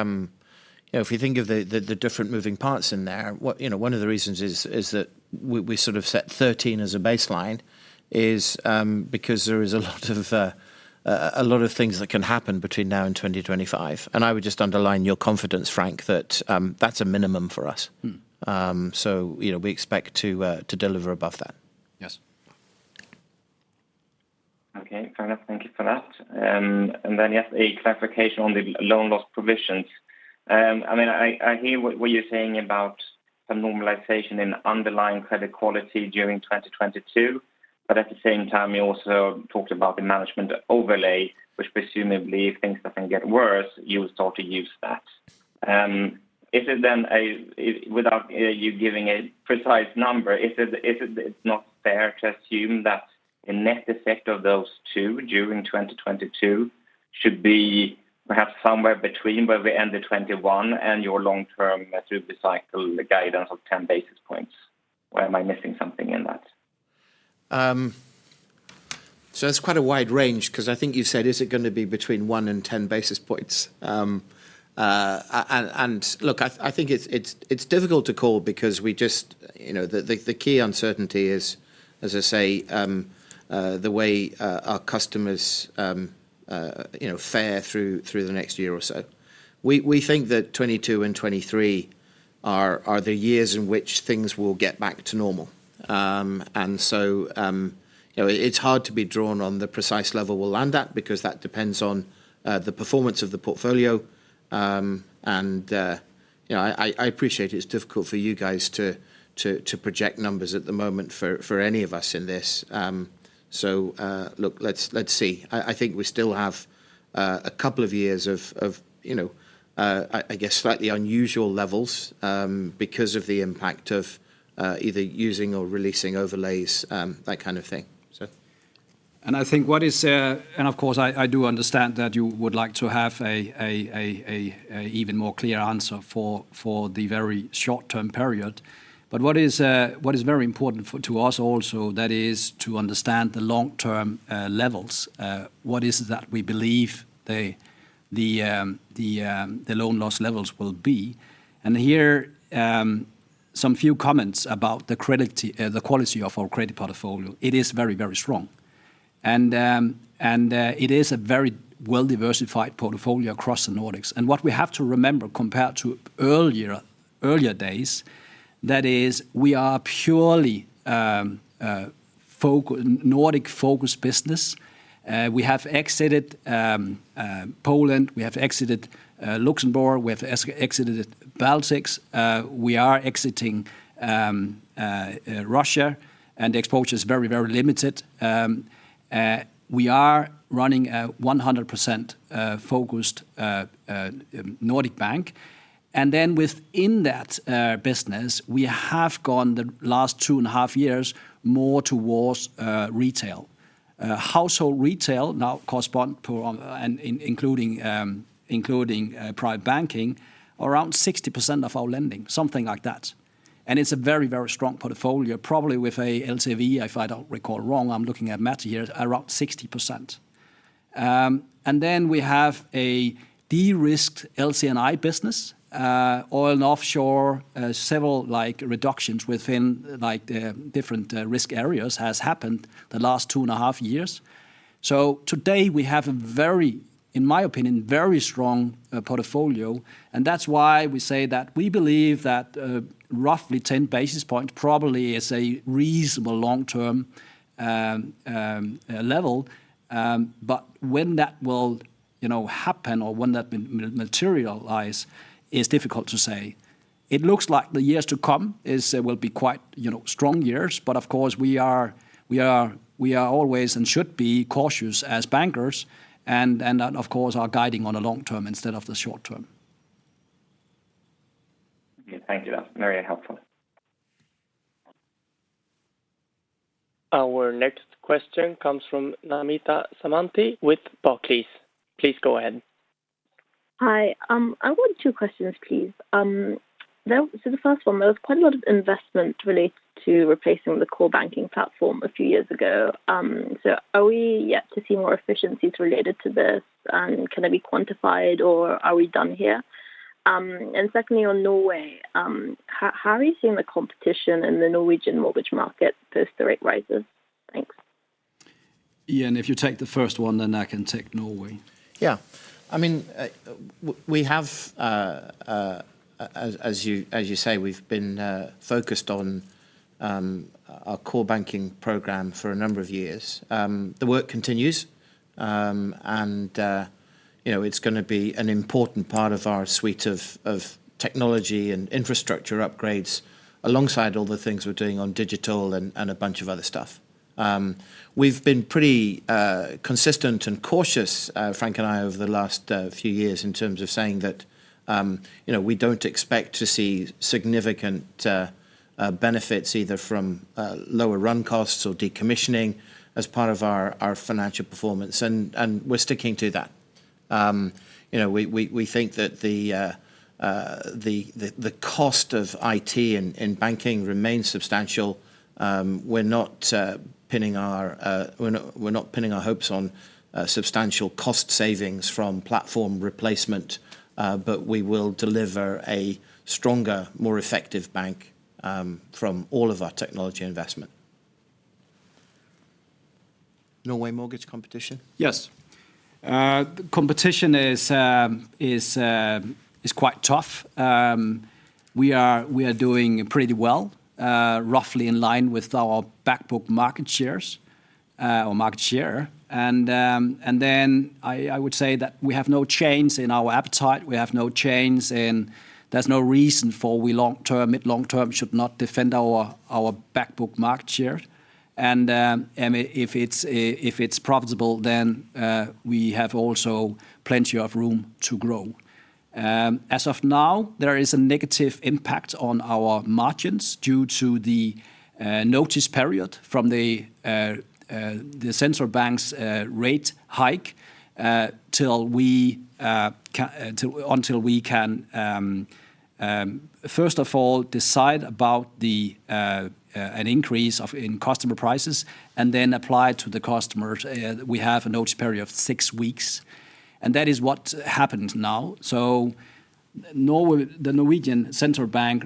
know if you think of the different moving parts in there, you know, one of the reasons is that we sort of set 13 as a baseline because there is a lot of things that can happen between now and 2025. I would just underline your confidence, Frank, that that's a minimum for us. Mm. You know, we expect to deliver above that. Yes. Okay. Fair enough. Thank you for that. Yes, a clarification on the loan loss provisions. I mean, I hear what you're saying about a normalization in underlying credit quality during 2022, but at the same time, you also talked about the management overlay, which presumably if things are gonna get worse, you will start to use that. Is it then, without you giving a precise number, it's not fair to assume that the net effect of those two during 2022 should be perhaps somewhere between where we end at 2021 and your long term through the cycle, the guidance of 10 basis points? Or am I missing something in that? That's quite a wide range 'cause I think you've said, is it gonna be between 1 and 10 basis points. Look, I think it's difficult to call because we just, you know, the key uncertainty is, as I say, the way our customers, you know, fare through the next year or so. We think that 2022 and 2023 are the years in which things will get back to normal. You know, it's hard to be drawn on the precise level we'll land at because that depends on the performance of the portfolio. You know, I appreciate it's difficult for you guys to project numbers at the moment for any of us in this. Look, let's see. I think we still have a couple of years of, you know, I guess slightly unusual levels, because of the impact of either using or releasing overlays, that kind of thing. I think, and of course I do understand that you would like to have an even more clear answer for the very short-term period. What is very important for us also is to understand the long-term levels, that is what we believe the loan loss levels will be. Here, some few comments about the quality of our credit portfolio. It is very strong. It is a very well-diversified portfolio across the Nordics. What we have to remember compared to earlier days, that is we are purely Nordic-focused business. We have exited Poland, we have exited Luxembourg, we have exited Baltics, we are exiting Russia, and the exposure is very limited. We are running a 100% focused Nordic bank. Then within that business, we have gone the last two twi and haf years more towards retail. Household retail now corresponds to, including private banking, around 60% of our lending, something like that. It's a very strong portfolio, probably with a LTV, if I don't recall wrong, I'm looking at Matt here, around 60%. We have a de-risked LC&I business, oil and offshore, several reductions within the different risk areas has happened the last 2.5 years. Today we have a very, in my opinion, very strong portfolio, and that's why we say that we believe that roughly 10 basis points probably is a reasonable long-term level. But when that will, you know, happen or when that materialize is difficult to say. It looks like the years to come will be quite, you know, strong years. Of course we are always and should be cautious as bankers and of course are guiding on the long term instead of the short term. Yeah. Thank you. That's very helpful. Our next question comes from Namita Samtani with Barclays. Please go ahead. Hi. I want two questions, please. The first one, there was quite a lot of investment related to replacing the core banking platform a few years ago. Are we yet to see more efficiencies related to this? Can they be quantified or are we done here? Secondly, on Norway, how are you seeing the competition in the Norwegian mortgage market post the rate rises? Thanks. Ian, if you take the first one, then I can take Norway. Yeah. I mean, we have, as you say, we've been focused on our core banking program for a number of years. The work continues, and you know, it's gonna be an important part of our suite of technology and infrastructure upgrades alongside all the things we're doing on digital and a bunch of other stuff. We've been pretty consistent and cautious, Frank and I over the last few years in terms of saying that, you know, we don't expect to see significant benefits either from lower run costs or decommissioning as part of our financial performance. We're sticking to that. You know, we think that the cost of IT in banking remains substantial. We're not pinning our hopes on substantial cost savings from platform replacement, but we will deliver a stronger, more effective bank from all of our technology investment. Norway mortgage competition? Yes. Competition is quite tough. We are doing pretty well, roughly in line with our back book market shares, or market share. I would say that we have no change in our appetite. We have no change in. There's no reason for we long term, mid long term should not defend our back book market share. If it's profitable then, we have also plenty of room to grow. As of now, there is a negative impact on our margins due to the notice period from the central bank's rate hike till we can first of all decide about an increase in customer prices and then apply to the customers. We have a notice period of six weeks, and that is what happens now. Norway, the Norwegian Central Bank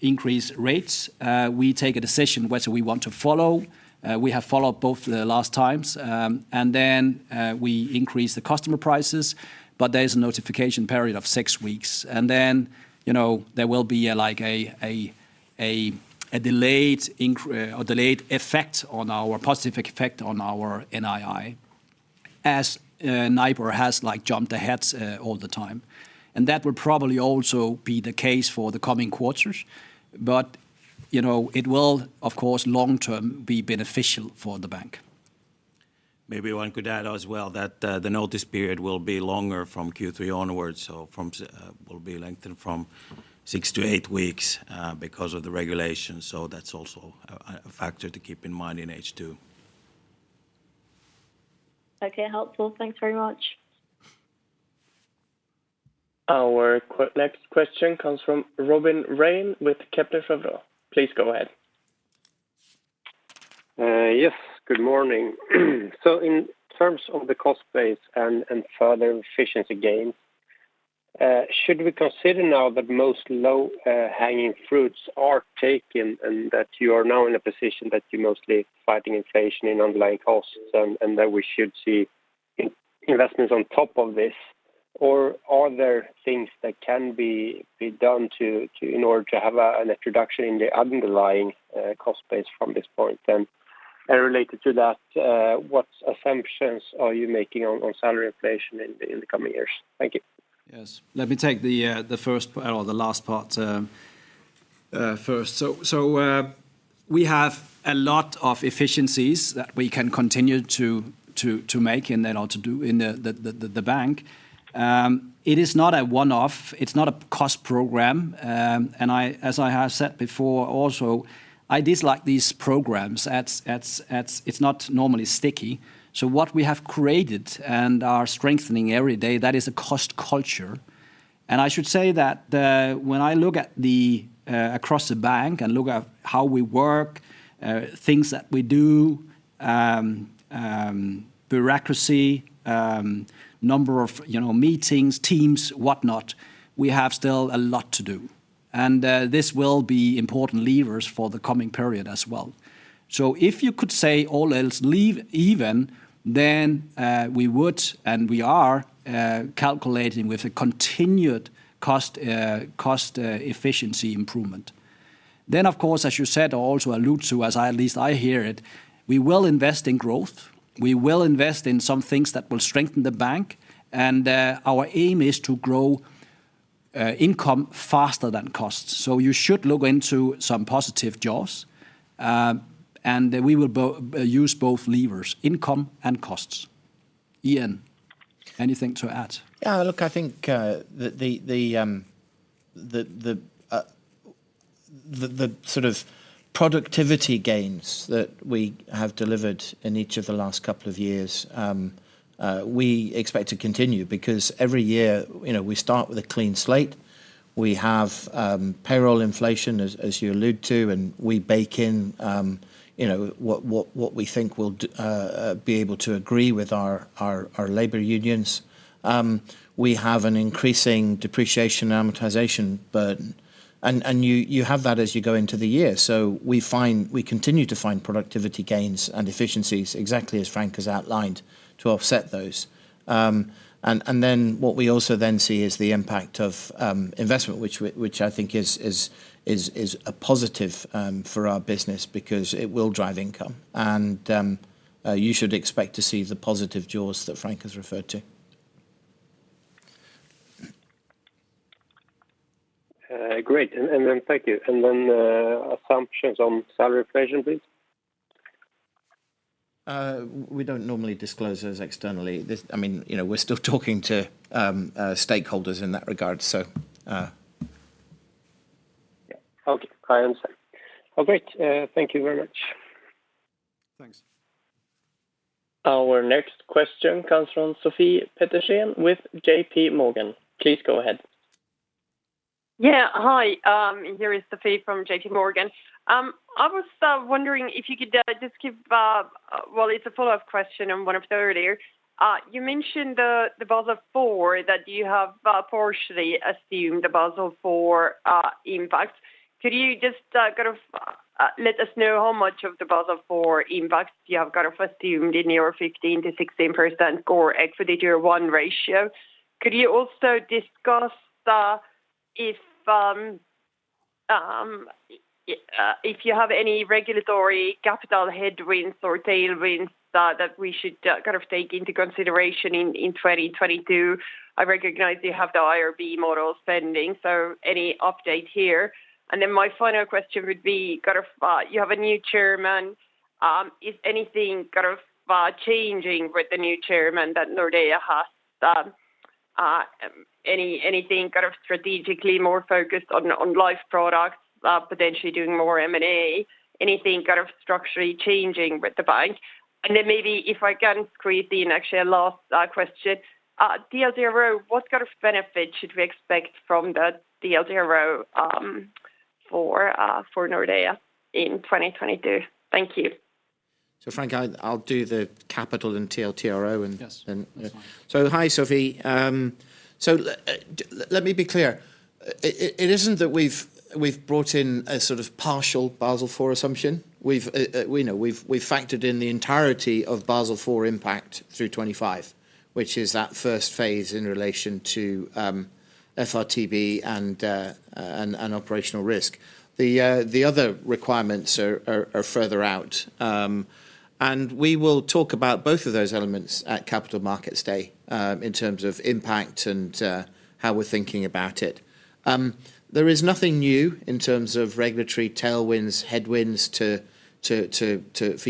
increase rates, we take a decision whether we want to follow. We have followed both the last times, and then we increase the customer prices, but there is a notification period of six weeks. You know, there will be like a delayed effect on our positive effect on our NII. As NIBOR has like jumped ahead all the time. That will probably also be the case for the coming quarters. You know, it will, of course, long-term be beneficial for the bank. Maybe one could add as well that the notice period will be longer from Q3 onwards. The notice period will be lengthened from 6-8 weeks because of the regulations. That's also a factor to keep in mind in H2. Okay, helpful. Thanks very much. Our next question comes from Robin Rane with Kepler Cheuvreux. Please go ahead. Yes, good morning. In terms of the cost base and further efficiency gains, should we consider now that most low hanging fruits are taken and that you are now in a position that you're mostly fighting inflation in underlying costs and that we should see investments on top of this? Or are there things that can be done in order to have a reduction in the underlying cost base from this point then? Related to that, what assumptions are you making on salary inflation in the coming years? Thank you. Yes. Let me take the first or the last part first. We have a lot of efficiencies that we can continue to make and then or to do in the bank. It is not a one-off, it's not a cost program. I, as I have said before also, dislike these programs. It's not normally sticky. What we have created and are strengthening every day, that is a cost culture. I should say that when I look across the bank and look at how we work, things that we do, bureaucracy, number of, you know, meetings, teams, whatnot, we have still a lot to do. This will be important levers for the coming period as well. If you could say all else equal, we would and we are calculating with a continued cost efficiency improvement. Of course, as you said, also alluded to, as I at least hear it, we will invest in growth. We will invest in some things that will strengthen the bank and our aim is to grow income faster than costs. You should look into some positive jaws. We will use both levers, income and costs. Ian, anything to add? Yeah, look, I think the sort of productivity gains that we have delivered in each of the last couple of years we expect to continue because every year, you know, we start with a clean slate. We have payroll inflation as you allude to, and we bake in, you know, what we think we'll be able to agree with our labor unions. We have an increasing depreciation and amortization burden and you have that as you go into the year. We continue to find productivity gains and efficiencies exactly as Frank has outlined to offset those. What we also see is the impact of investment which I think is a positive for our business because it will drive income and you should expect to see the positive jaws that Frank has referred to. Great. Thank you. Assumptions on salary inflation, please. We don't normally disclose those externally. I mean, you know, we're still talking to stakeholders in that regard, so, Yeah. Okay. I understand. Well, great. Thank you very much. Thanks. Our next question comes from Shrey Srivastava with Citi. Please go ahead. Yeah. Hi. Here is Sophie from JPMorgan. I was wondering if you could just give, well, it's a follow-up question on one of the earlier. You mentioned the Basel IV, that you have partially assumed the Basel IV impact. Could you just kind of let us know how much of the Basel IV impact you have kind of assumed in your 15%-16% CET1 ratio? Could you also discuss if you have any regulatory capital headwinds or tailwinds that we should kind of take into consideration in 2022? I recognize you have the IRB model spending, so any update here? My final question would be kind of, you have a new chairman, is anything kind of changing with the new chairman that Nordea has? Anything kind of strategically more focused on life products, potentially doing more M&A? Anything kind of structurally changing with the bank? Maybe if I can squeeze in actually a last question. TLTRO, what kind of benefit should we expect from the TLTRO for Nordea in 2022? Thank you. Frank, I'll do the capital and TLTRO and- Yes. And- That's fine. Hi, Sophie. Let me be clear. It isn't that we've brought in a sort of partial Basel IV assumption. We've factored in the entirety of Basel IV impact through 2025, which is that first phase in relation to FRTB and operational risk. The other requirements are further out. We will talk about both of those elements at Capital Markets Day in terms of impact and how we're thinking about it. There is nothing new in terms of regulatory tailwinds, headwinds for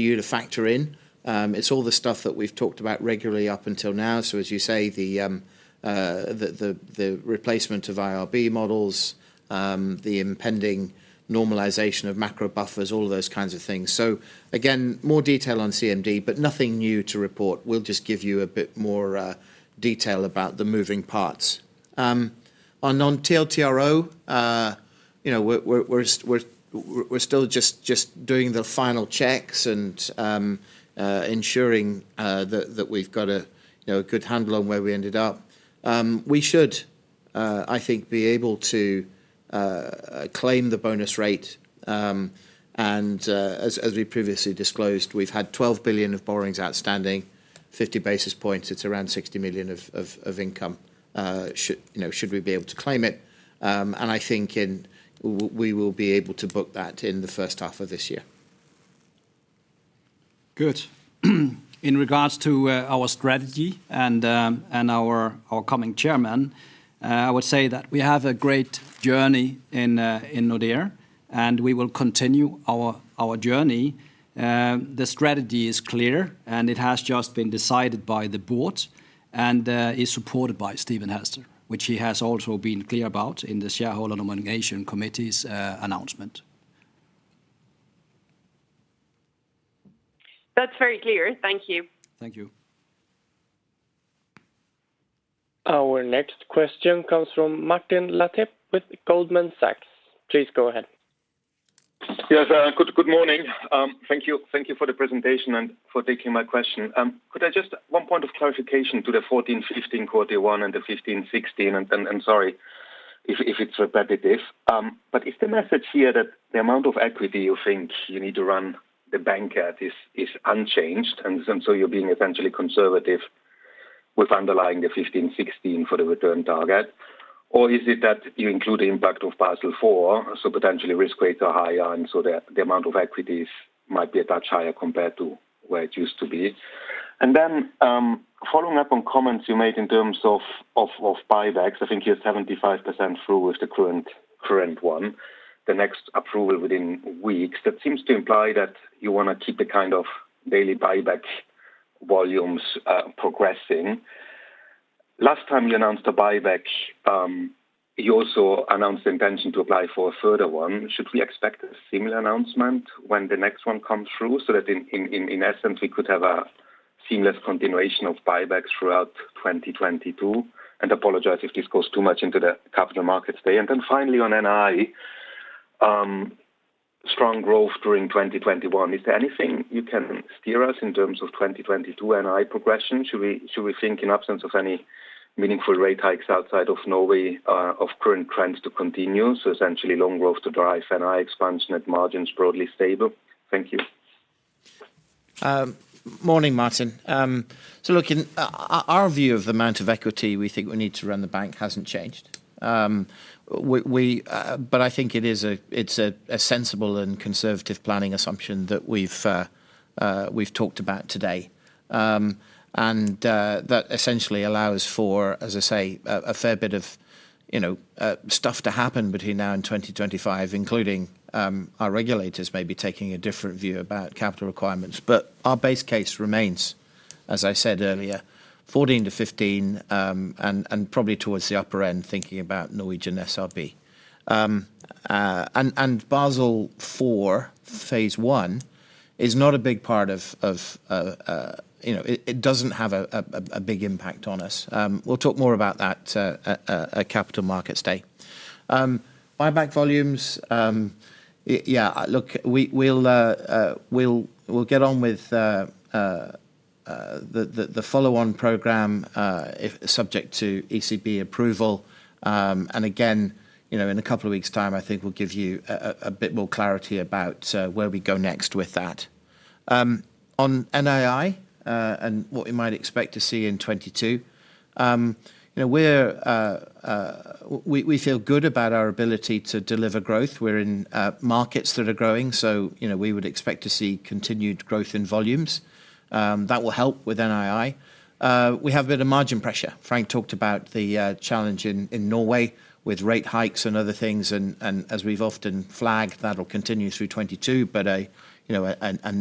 you to factor in. It's all the stuff that we've talked about regularly up until now. As you say, the replacement of IRB models, the impending normalization of macro buffers, all of those kinds of things. Again, more detail on CMD, but nothing new to report. We'll just give you a bit more detail about the moving parts. On TLTRO, you know, we're still just doing the final checks and ensuring that we've got a good handle on where we ended up. We should, I think be able to claim the bonus rate, and as we previously disclosed, we've had 12 billion of borrowings outstanding, 50 basis points, it's around 60 million of income, you know, should we be able to claim it. I think we will be able to book that in the first half of this year. Good. In regards to our strategy and our coming chairman, I would say that we have a great journey in Nordea, and we will continue our journey. The strategy is clear, and it has just been decided by the board and is supported by Stephen Hester, which he has also been clear about in the Shareholder Nomination Committee's announcement. That's very clear. Thank you. Thank you. Our next question comes from Martin Leitgeb with Goldman Sachs. Please go ahead. Yes. Good morning. Thank you for the presentation and for taking my question. Could I just one point of clarification to the 14-15 quarter one and the 15-16, and I'm sorry if it's repetitive. But is the message here that the amount of equity you think you need to run the bank at is unchanged, and so you're being essentially conservative with underlying the 15-16 for the return target? Or is it that you include the impact of Basel IV, so potentially risk weights are higher and so the amount of equity might be a touch higher compared to where it used to be? Following up on comments you made in terms of buybacks, I think you're 75% through with the current one. The next approval within weeks, that seems to imply that you wanna keep the kind of daily buyback volumes progressing. Last time you announced a buyback, you also announced intention to apply for a further one. Should we expect a similar announcement when the next one comes through so that in essence, we could have a seamless continuation of buybacks throughout 2022? Apologize if this goes too much into the Capital Markets Day. Finally on NI, strong growth during 2021. Is there anything you can steer us in terms of 2022 NI progression? Should we think in absence of any meaningful rate hikes outside of Norway, of current trends to continue, so essentially loan growth to drive NI expansion at margins broadly stable? Thank you. Morning, Martin. Look, in our view of the amount of equity we think we need to run the bank hasn't changed. I think it is a sensible and conservative planning assumption that we've talked about today. That essentially allows for, as I say, a fair bit of, you know, stuff to happen between now and 2025, including our regulators maybe taking a different view about capital requirements. Our base case remains, as I said earlier, 14%-15%, and probably towards the upper end, thinking about Norwegian SRB. Basel IV, phase one is not a big part of, you know, it. It doesn't have a big impact on us. We'll talk more about that at Capital Markets Day. Buyback volumes, yeah, look, we'll get on with the follow-on program, if subject to ECB approval. Again, you know, in a couple of weeks' time, I think we'll give you a bit more clarity about where we go next with that. On NII, and what we might expect to see in 2022, you know, we feel good about our ability to deliver growth. We're in markets that are growing, so, you know, we would expect to see continued growth in volumes that will help with NII. We have a bit of margin pressure. Frank talked about the challenge in Norway with rate hikes and other things, and as we've often flagged, that'll continue through 2022. You know, a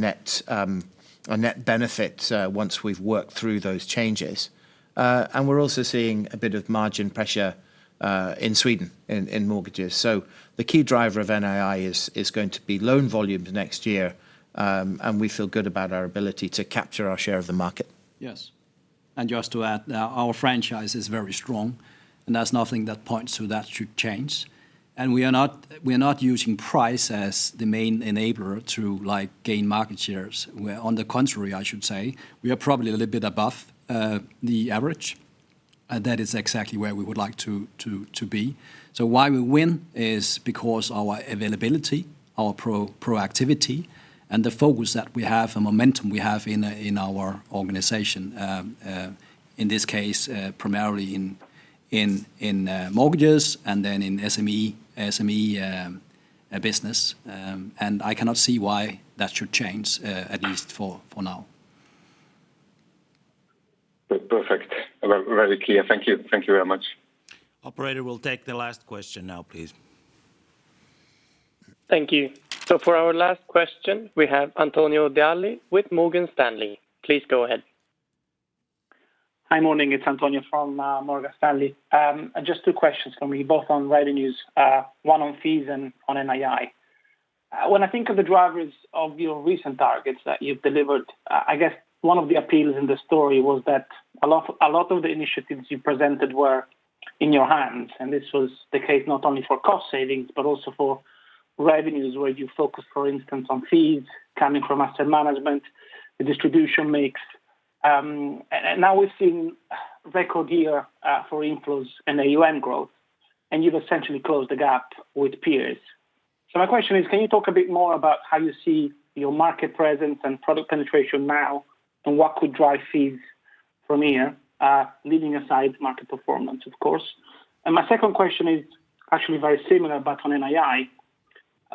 net benefit once we've worked through those changes. We're also seeing a bit of margin pressure in Sweden in mortgages. The key driver of NII is going to be loan volumes next year, and we feel good about our ability to capture our share of the market. Yes. Just to add, our franchise is very strong, and there's nothing that points to that should change. We are not using price as the main enabler to, like, gain market shares. Where on the contrary, I should say, we are probably a little bit above the average. That is exactly where we would like to be. Why we win is because our availability, our proactivity, and the focus that we have, the momentum we have in our organization, in this case, primarily in mortgages and then in SME business. I cannot see why that should changRe, at least for now. Perfect. Very clear. Thank you. Thank you very much. Operator, we'll take the last question now, please. Thank you. For our last question, we have Antonio Reale with Morgan Stanley. Please go ahead. Hi. Morning. It's Antonio from Morgan Stanley. Just two questions from me, both on revenues, one on fees and on NII. When I think of the drivers of your recent targets that you've delivered, I guess one of the appeals in the story was that a lot of the initiatives you presented were in your hands, and this was the case not only for cost savings but also for revenues where you focus for instance on fees coming from asset management, the distribution mix. Now we're seeing record year for inflows and AUM growth, and you've essentially closed the gap with peers. My question is, can you talk a bit more about how you see your market presence and product penetration now and what could drive fees from here, leaving aside market performance, of course? My second question is actually very similar but on NII.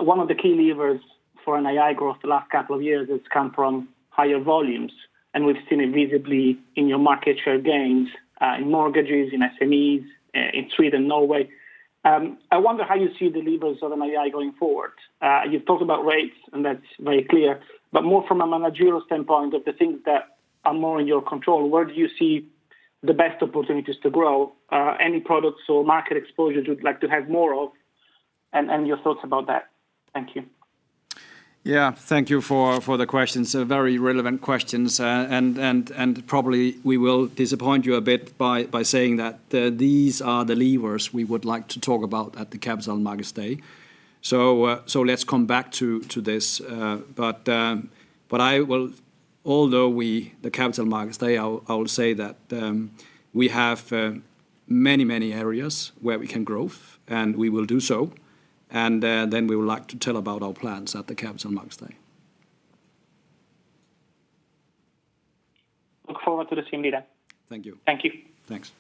One of the key levers for NII growth the last couple of years has come from higher volumes, and we've seen it visibly in your market share gains in mortgages, in SMEs, in Sweden, Norway. I wonder how you see the levers of NII going forward. You've talked about rates, and that's very clear, but more from a managerial standpoint of the things that are more in your control, where do you see the best opportunities to grow? Any products or market exposure you'd like to have more of and your thoughts about that. Thank you. Yeah. Thank you for the questions. They're very relevant questions. Probably we will disappoint you a bit by saying that these are the levers we would like to talk about at the Capital Markets Day. Let's come back to this. I'll say that we have many areas where we can grow, and we will do so. We would like to tell about our plans at the Capital Markets Day. look forward to seeing you there. Thank you. Thank you. Thanks.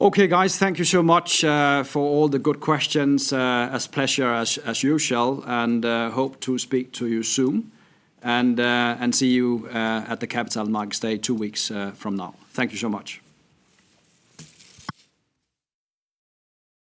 Okay, guys. Thank you so much for all the good questions. A pleasure as usual. Hope to speak to you soon and see you at the Capital Markets Day two weeks from now. Thank you so much.